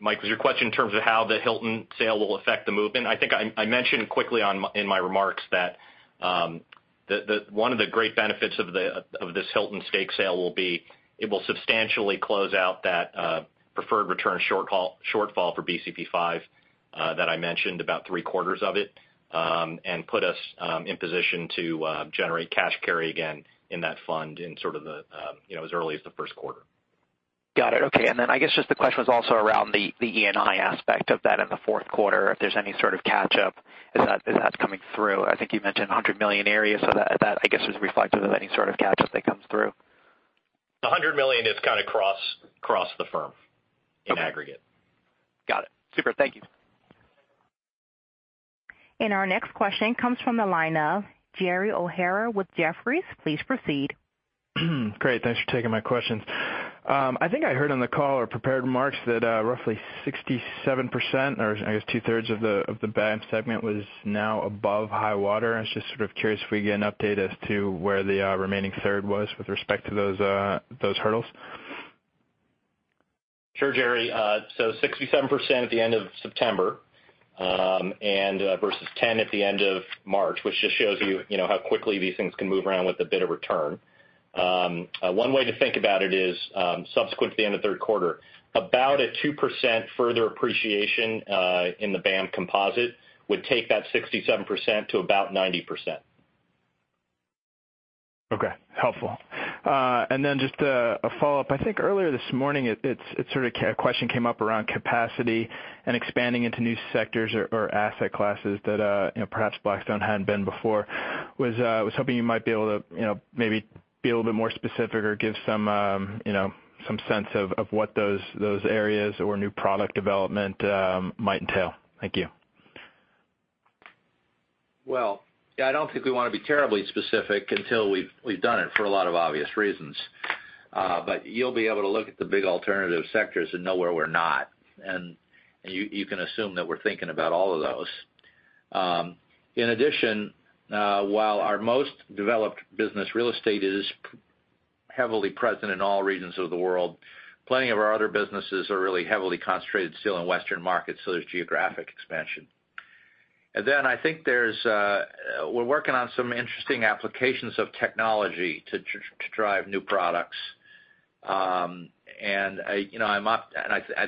Mike, was your question in terms of how the Hilton sale will affect the movement? I think I mentioned quickly in my remarks that one of the great benefits of this Hilton stake sale will be it will substantially close out that preferred return shortfall for BCP V that I mentioned, about three-quarters of it, and put us in position to generate cash carry again in that fund as early as the first quarter. Got it. Okay. Then I guess just the question was also around the ENI aspect of that in the fourth quarter, if there's any sort of catch-up as that's coming through. I think you mentioned $100 million area, that, I guess, is reflective of any sort of catch-up that comes through. $100 million is kind of cross the firm in aggregate. Got it. Super. Thank you. Our next question comes from the line of Jerry O'Hara with Jefferies. Please proceed. Great. Thanks for taking my questions. I think I heard on the call or prepared remarks that roughly 67% or, I guess, two-thirds of the BAAM segment was now above high water. I was just sort of curious if we can get an update as to where the remaining third was with respect to those hurdles. Sure, Jerry. 67% at the end of September versus 10 at the end of March, which just shows you how quickly these things can move around with a bit of return. One way to think about it is subsequent to the end of third quarter. About a 2% further appreciation in the BAAM composite would take that 67% to about 90%. Okay. Helpful. Then just a follow-up. I think earlier this morning, a question came up around capacity and expanding into new sectors or asset classes that perhaps Blackstone hadn't been before. Was hoping you might be able to maybe be a little bit more specific or give some sense of what those areas or new product development might entail. Thank you. Well, yeah, I don't think we want to be terribly specific until we've done it for a lot of obvious reasons. You'll be able to look at the big alternative sectors and know where we're not, and you can assume that we're thinking about all of those. In addition, while our most developed business real estate is heavily present in all regions of the world, plenty of our other businesses are really heavily concentrated still in Western markets, so there's geographic expansion. I think we're working on some interesting applications of technology to drive new products. I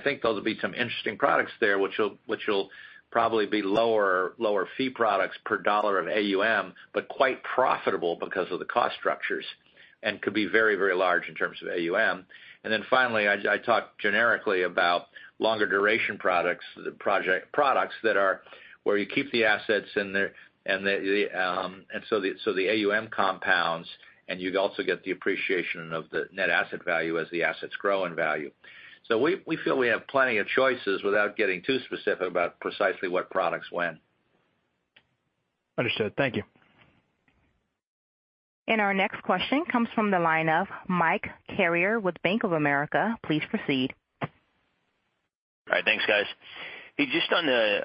think those will be some interesting products there, which will probably be lower fee products per dollar of AUM, but quite profitable because of the cost structures, and could be very, very large in terms of AUM. Finally, I talked generically about longer duration products, the products that are where you keep the assets, the AUM compounds, and you also get the appreciation of the NAV as the assets grow in value. We feel we have plenty of choices without getting too specific about precisely what products when. Understood. Thank you. Our next question comes from the line of Mike Carrier with Bank of America. Please proceed. All right. Thanks, guys. Hey, just on the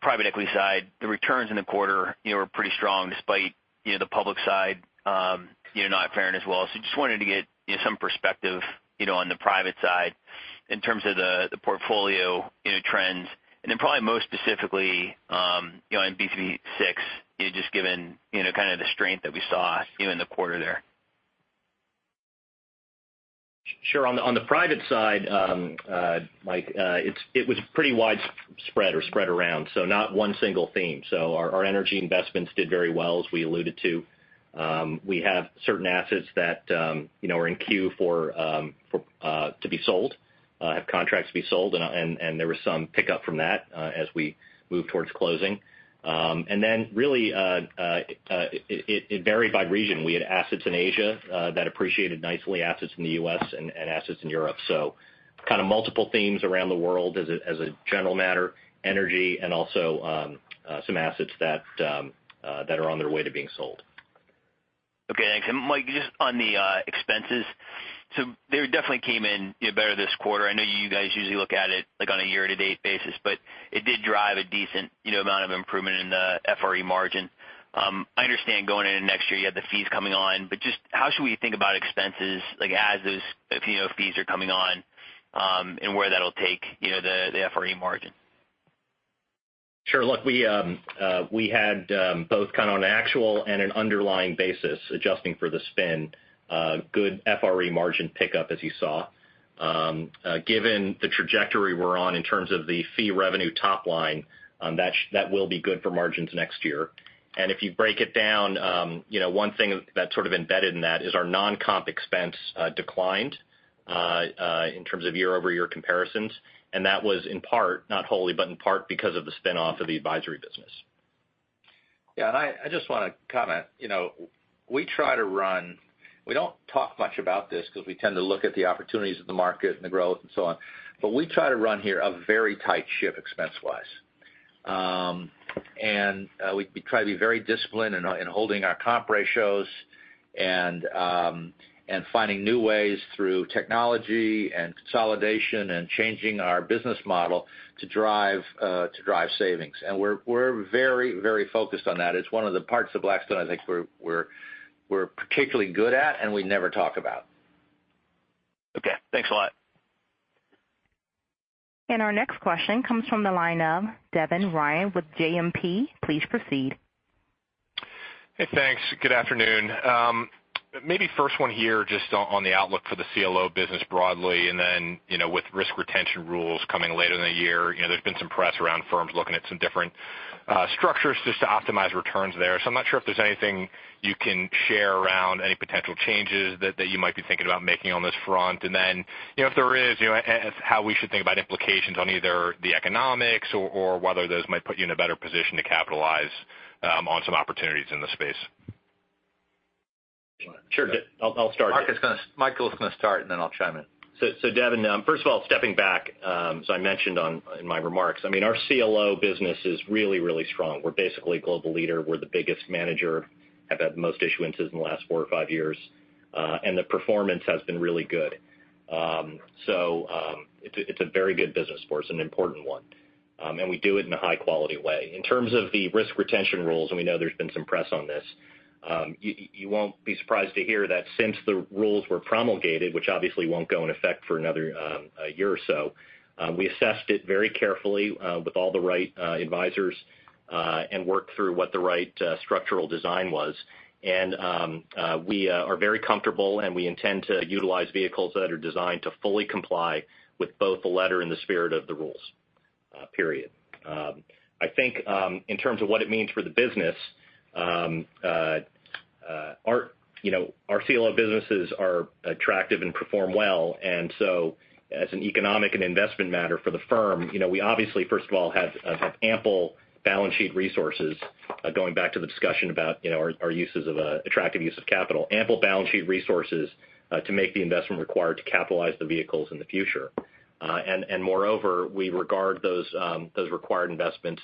private equity side, the returns in the quarter were pretty strong despite the public side not faring as well. Just wanted to get some perspective on the private side in terms of the portfolio trends, and then probably most specifically, in BCP VI, just given kind of the strength that we saw in the quarter there. Sure. On the private side, Mike, it was pretty widespread or spread around, not one single theme. Our energy investments did very well, as we alluded to. We have certain assets that are in queue to be sold, have contracts to be sold, and there was some pickup from that as we move towards closing. Really, it varied by region. We had assets in Asia that appreciated nicely, assets in the U.S. and assets in Europe. Kind of multiple themes around the world as a general matter, energy and also some assets that are on their way to being sold. Okay, thanks. Mike, just on the expenses. They definitely came in better this quarter. I know you guys usually look at it like on a year-to-date basis, but it did drive a decent amount of improvement in the FRE margin. I understand going into next year, you have the fees coming on, just how should we think about expenses like as those fees are coming on, and where that'll take the FRE margin? Sure. Look, we had both kind of an actual and an underlying basis adjusting for the spend, good FRE margin pickup as you saw. Given the trajectory we're on in terms of the fee revenue top line, that will be good for margins next year. If you break it down, one thing that's sort of embedded in that is our non-comp expense declined in terms of year-over-year comparisons. That was in part, not wholly, but in part because of the spinoff of the advisory business. Yeah. I just want to comment. We don't talk much about this because we tend to look at the opportunities of the market and the growth and so on. We try to run here a very tight ship expense-wise. We try to be very disciplined in holding our comp ratios and finding new ways through technology and consolidation and changing our business model to drive savings. We're very, very focused on that. It's one of the parts of Blackstone I think we're particularly good at and we never talk about. Okay. Thanks a lot. Our next question comes from the line of Devin Ryan with JMP. Please proceed. Hey, thanks. Good afternoon. Maybe first one here, just on the outlook for the CLO business broadly, and then with risk retention rules coming later in the year, there's been some press around firms looking at some different structures just to optimize returns there. I'm not sure if there's anything you can share around any potential changes that you might be thinking about making on this front. If there is, how we should think about implications on either the economics or whether those might put you in a better position to capitalize on some opportunities in the space. Sure. I'll start. Michael's going to start, then I'll chime in. Devin, first of all, stepping back, I mentioned in my remarks, our CLO business is really, really strong. We're basically a global leader. We're the biggest manager, have had the most issuances in the last 4 or 5 years. The performance has been really good. It's a very good business for us, an important one. We do it in a high-quality way. In terms of the risk retention rules, and we know there's been some press on this, you won't be surprised to hear that since the rules were promulgated, which obviously won't go in effect for another year or so, we assessed it very carefully with all the right advisors, and worked through what the right structural design was. We are very comfortable, and we intend to utilize vehicles that are designed to fully comply with both the letter and the spirit of the rules, period. I think, in terms of what it means for the business. Our CLO businesses are attractive and perform well. As an economic and investment matter for the firm, we obviously, first of all, have ample balance sheet resources, going back to the discussion about our attractive use of capital. Ample balance sheet resources to make the investment required to capitalize the vehicles in the future. Moreover, we regard those required investments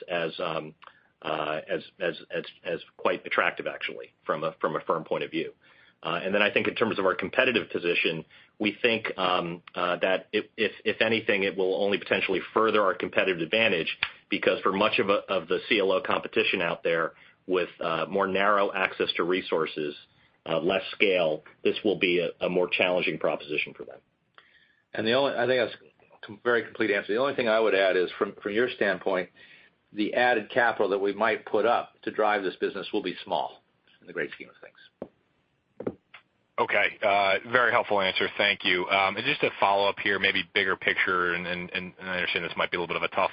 as quite attractive actually, from a firm point of view. I think in terms of our competitive position, we think that if anything, it will only potentially further our competitive advantage, because for much of the CLO competition out there with more narrow access to resources, less scale, this will be a more challenging proposition for them. I think that's a very complete answer. The only thing I would add is from your standpoint, the added capital that we might put up to drive this business will be small in the great scheme of things. Okay. Very helpful answer. Thank you. Just a follow-up here, maybe bigger picture, and I understand this might be a little bit of a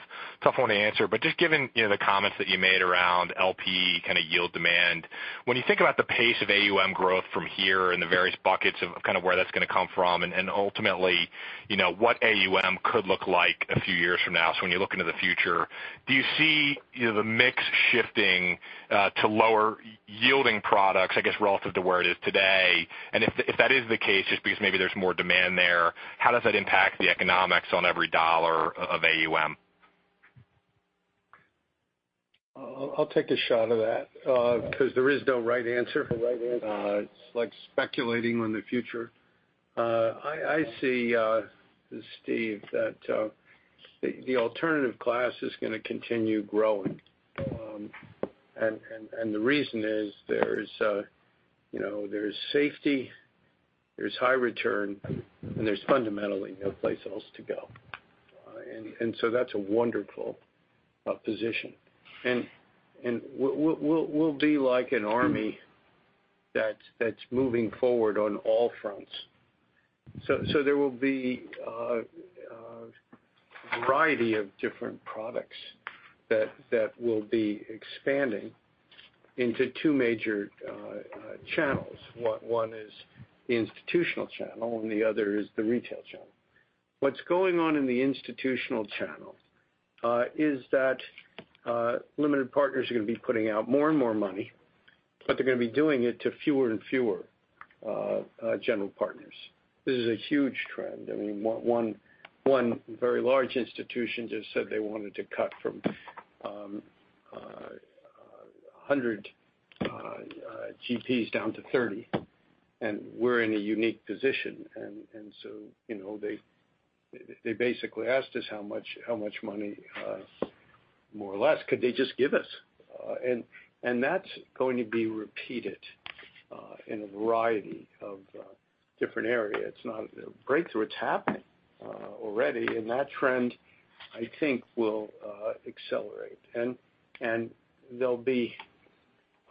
tough one to answer, but just given the comments that you made around LP kind of yield demand, when you think about the pace of AUM growth from here and the various buckets of kind of where that's going to come from, and ultimately what AUM could look like a few years from now. When you look into the future, do you see the mix shifting to lower yielding products, I guess, relative to where it is today? If that is the case, just because maybe there's more demand there, how does that impact the economics on every dollar of AUM? I'll take a shot at that because there is no right answer. It's like speculating on the future. I see, Steve, that the alternative class is going to continue growing. The reason is there's safety, there's high return, and there's fundamentally no place else to go. That's a wonderful position. We'll be like an army that's moving forward on all fronts. There will be a variety of different products that will be expanding into two major channels. One is the institutional channel, and the other is the retail channel. What's going on in the institutional channel is that limited partners are going to be putting out more and more money, but they're going to be doing it to fewer and fewer general partners. This is a huge trend. One very large institution just said they wanted to cut from 100 GPs down to 30, and we're in a unique position. They basically asked us how much money, more or less, could they just give us. That's going to be repeated in a variety of different areas. It's not a breakthrough. It's happening already. That trend, I think, will accelerate. There'll be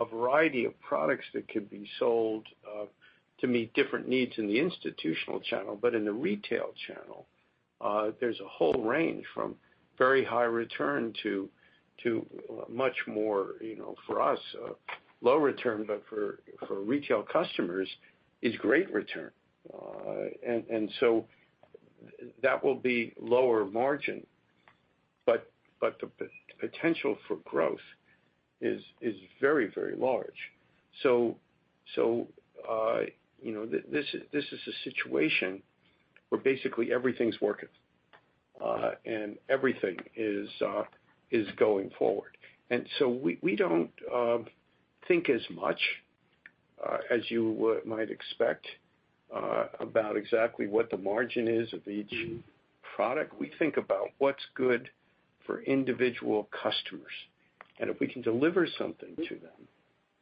a variety of products that could be sold to meet different needs in the institutional channel. But in the retail channel, there's a whole range from very high return to much more, for us, low return, but for retail customers is great return. That will be lower margin, but the potential for growth is very large. This is a situation where basically everything's working, and everything is going forward. We don't think as much as you might expect about exactly what the margin is of each product. We think about what's good for individual customers, and if we can deliver something to them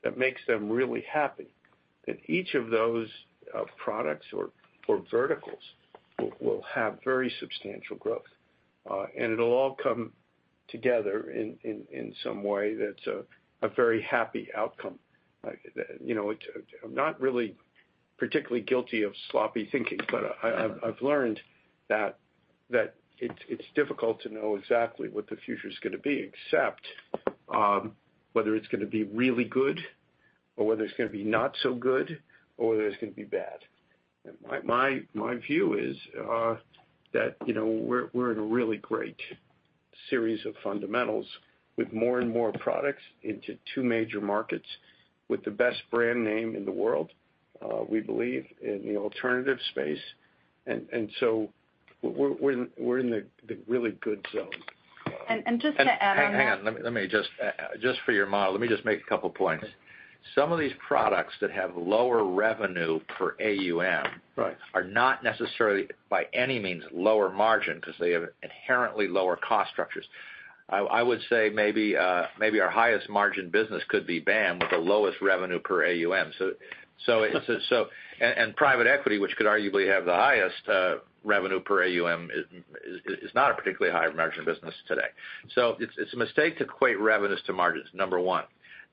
that makes them really happy, then each of those products or verticals will have very substantial growth. It'll all come together in some way that's a very happy outcome. I'm not really particularly guilty of sloppy thinking, but I've learned that it's difficult to know exactly what the future's going to be, except whether it's going to be really good or whether it's going to be not so good, or whether it's going to be bad. My view is that we're in a really great series of fundamentals with more and more products into two major markets with the best brand name in the world, we believe in the alternative space. We're in the really good zone. Just to add on that. Hang on. Just for your model, let me just make a couple points. Some of these products that have lower revenue per AUM- Right are not necessarily by any means lower margin because they have inherently lower cost structures. I would say maybe our highest margin business could be BAAM with the lowest revenue per AUM. Private equity, which could arguably have the highest revenue per AUM, is not a particularly high margin business today. It's a mistake to equate revenues to margins, number one.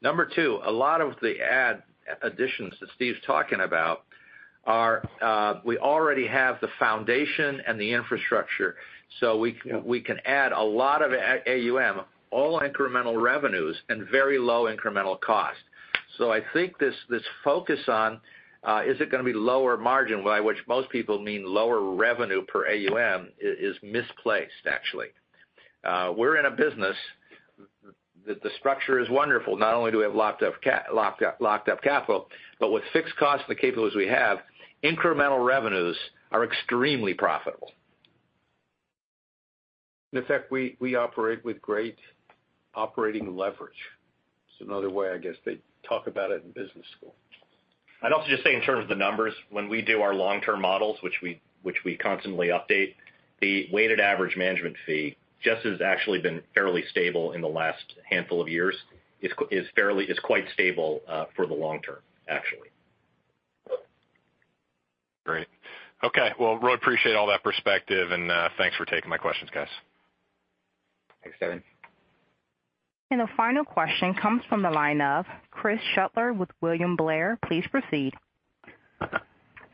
Number two, a lot of the add additions that Steve's talking about We already have the foundation and the infrastructure, so we can add a lot of AUM, all incremental revenues and very low incremental cost. I think this focus on, is it going to be lower margin, by which most people mean lower revenue per AUM, is misplaced, actually. We're in a business that the structure is wonderful. Not only do we have locked-up capital, but with fixed costs and the capabilities we have, incremental revenues are extremely profitable. In effect, we operate with great operating leverage. It's another way, I guess, they talk about it in business school. I'd also just say in terms of the numbers, when we do our long-term models, which we constantly update, the weighted average management fee just has actually been fairly stable in the last handful of years, is quite stable for the long term, actually. Great. Okay. Well, really appreciate all that perspective, and thanks for taking my questions, guys. Thanks, Devin The final question comes from the line of Chris Shutler with William Blair. Please proceed.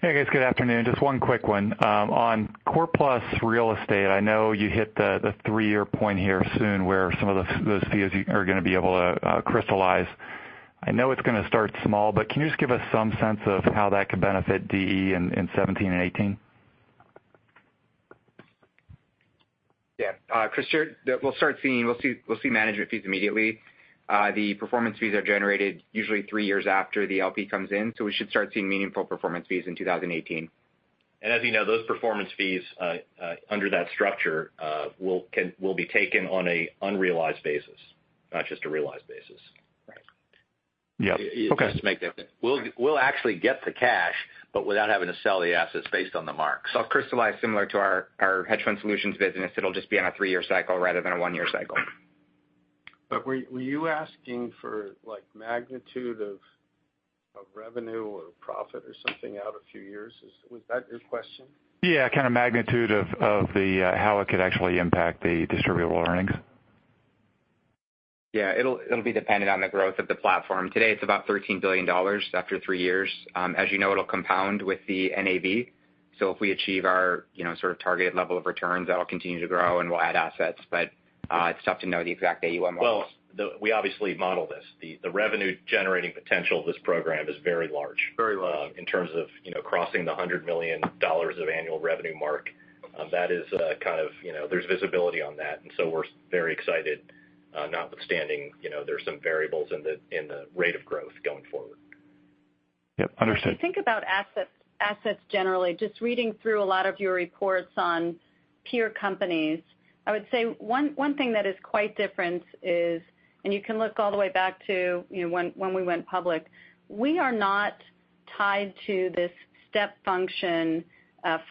Hey, guys. Good afternoon. Just one quick one. On Core Plus real estate, I know you hit the 3-year point here soon where some of those fees are going to be able to crystallize. I know it's going to start small, but can you just give us some sense of how that could benefit DE in 2017 and 2018? Yeah. Chris, we'll see management fees immediately. The performance fees are generated usually three years after the LP comes in, so we should start seeing meaningful performance fees in 2018. As you know, those performance fees under that structure will be taken on an unrealized basis, not just a realized basis. Right. Yeah. Okay. Just to make that clear. We'll actually get the cash, without having to sell the assets based on the marks. It'll crystallize similar to our hedge fund solutions business. It'll just be on a three-year cycle rather than a one-year cycle. Were you asking for magnitude of revenue or profit or something out a few years? Was that your question? Yeah, kind of magnitude of how it could actually impact the distributable earnings. Yeah. It'll be dependent on the growth of the platform. Today, it's about $13 billion after three years. As you know, it'll compound with the NAV. If we achieve our sort of targeted level of returns, that'll continue to grow, and we'll add assets. But it's tough to know the exact AUM marks. Well, we obviously model this. The revenue-generating potential of this program is very large- Very large in terms of crossing the $100 million of annual revenue mark. There's visibility on that. We're very excited, notwithstanding there's some variables in the rate of growth going forward. Yep, understood. If you think about assets generally, just reading through a lot of your reports on peer companies, I would say one thing that is quite different is, and you can look all the way back to when we went public, we are not tied to this step function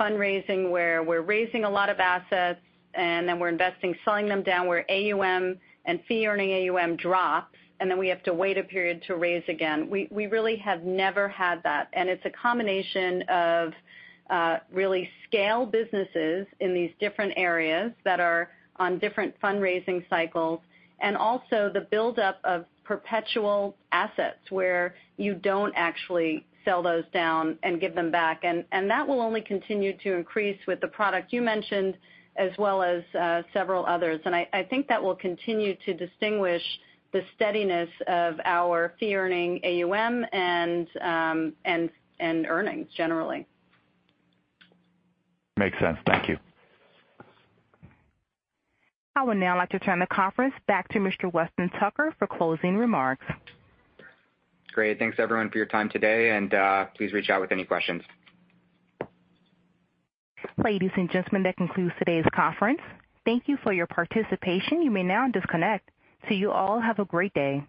fundraising where we're raising a lot of assets and then we're investing, selling them down where AUM and fee-earning AUM drops, and then we have to wait a period to raise again. We really have never had that. It's a combination of really scale businesses in these different areas that are on different fundraising cycles, and also the buildup of perpetual assets where you don't actually sell those down and give them back. That will only continue to increase with the product you mentioned as well as several others. I think that will continue to distinguish the steadiness of our fee-earning AUM and earnings generally. Makes sense. Thank you. I would now like to turn the conference back to Mr. Weston Tucker for closing remarks. Great. Thanks, everyone, for your time today, and please reach out with any questions. Ladies and gentlemen, that concludes today's conference. Thank you for your participation. You may now disconnect. You all have a great day.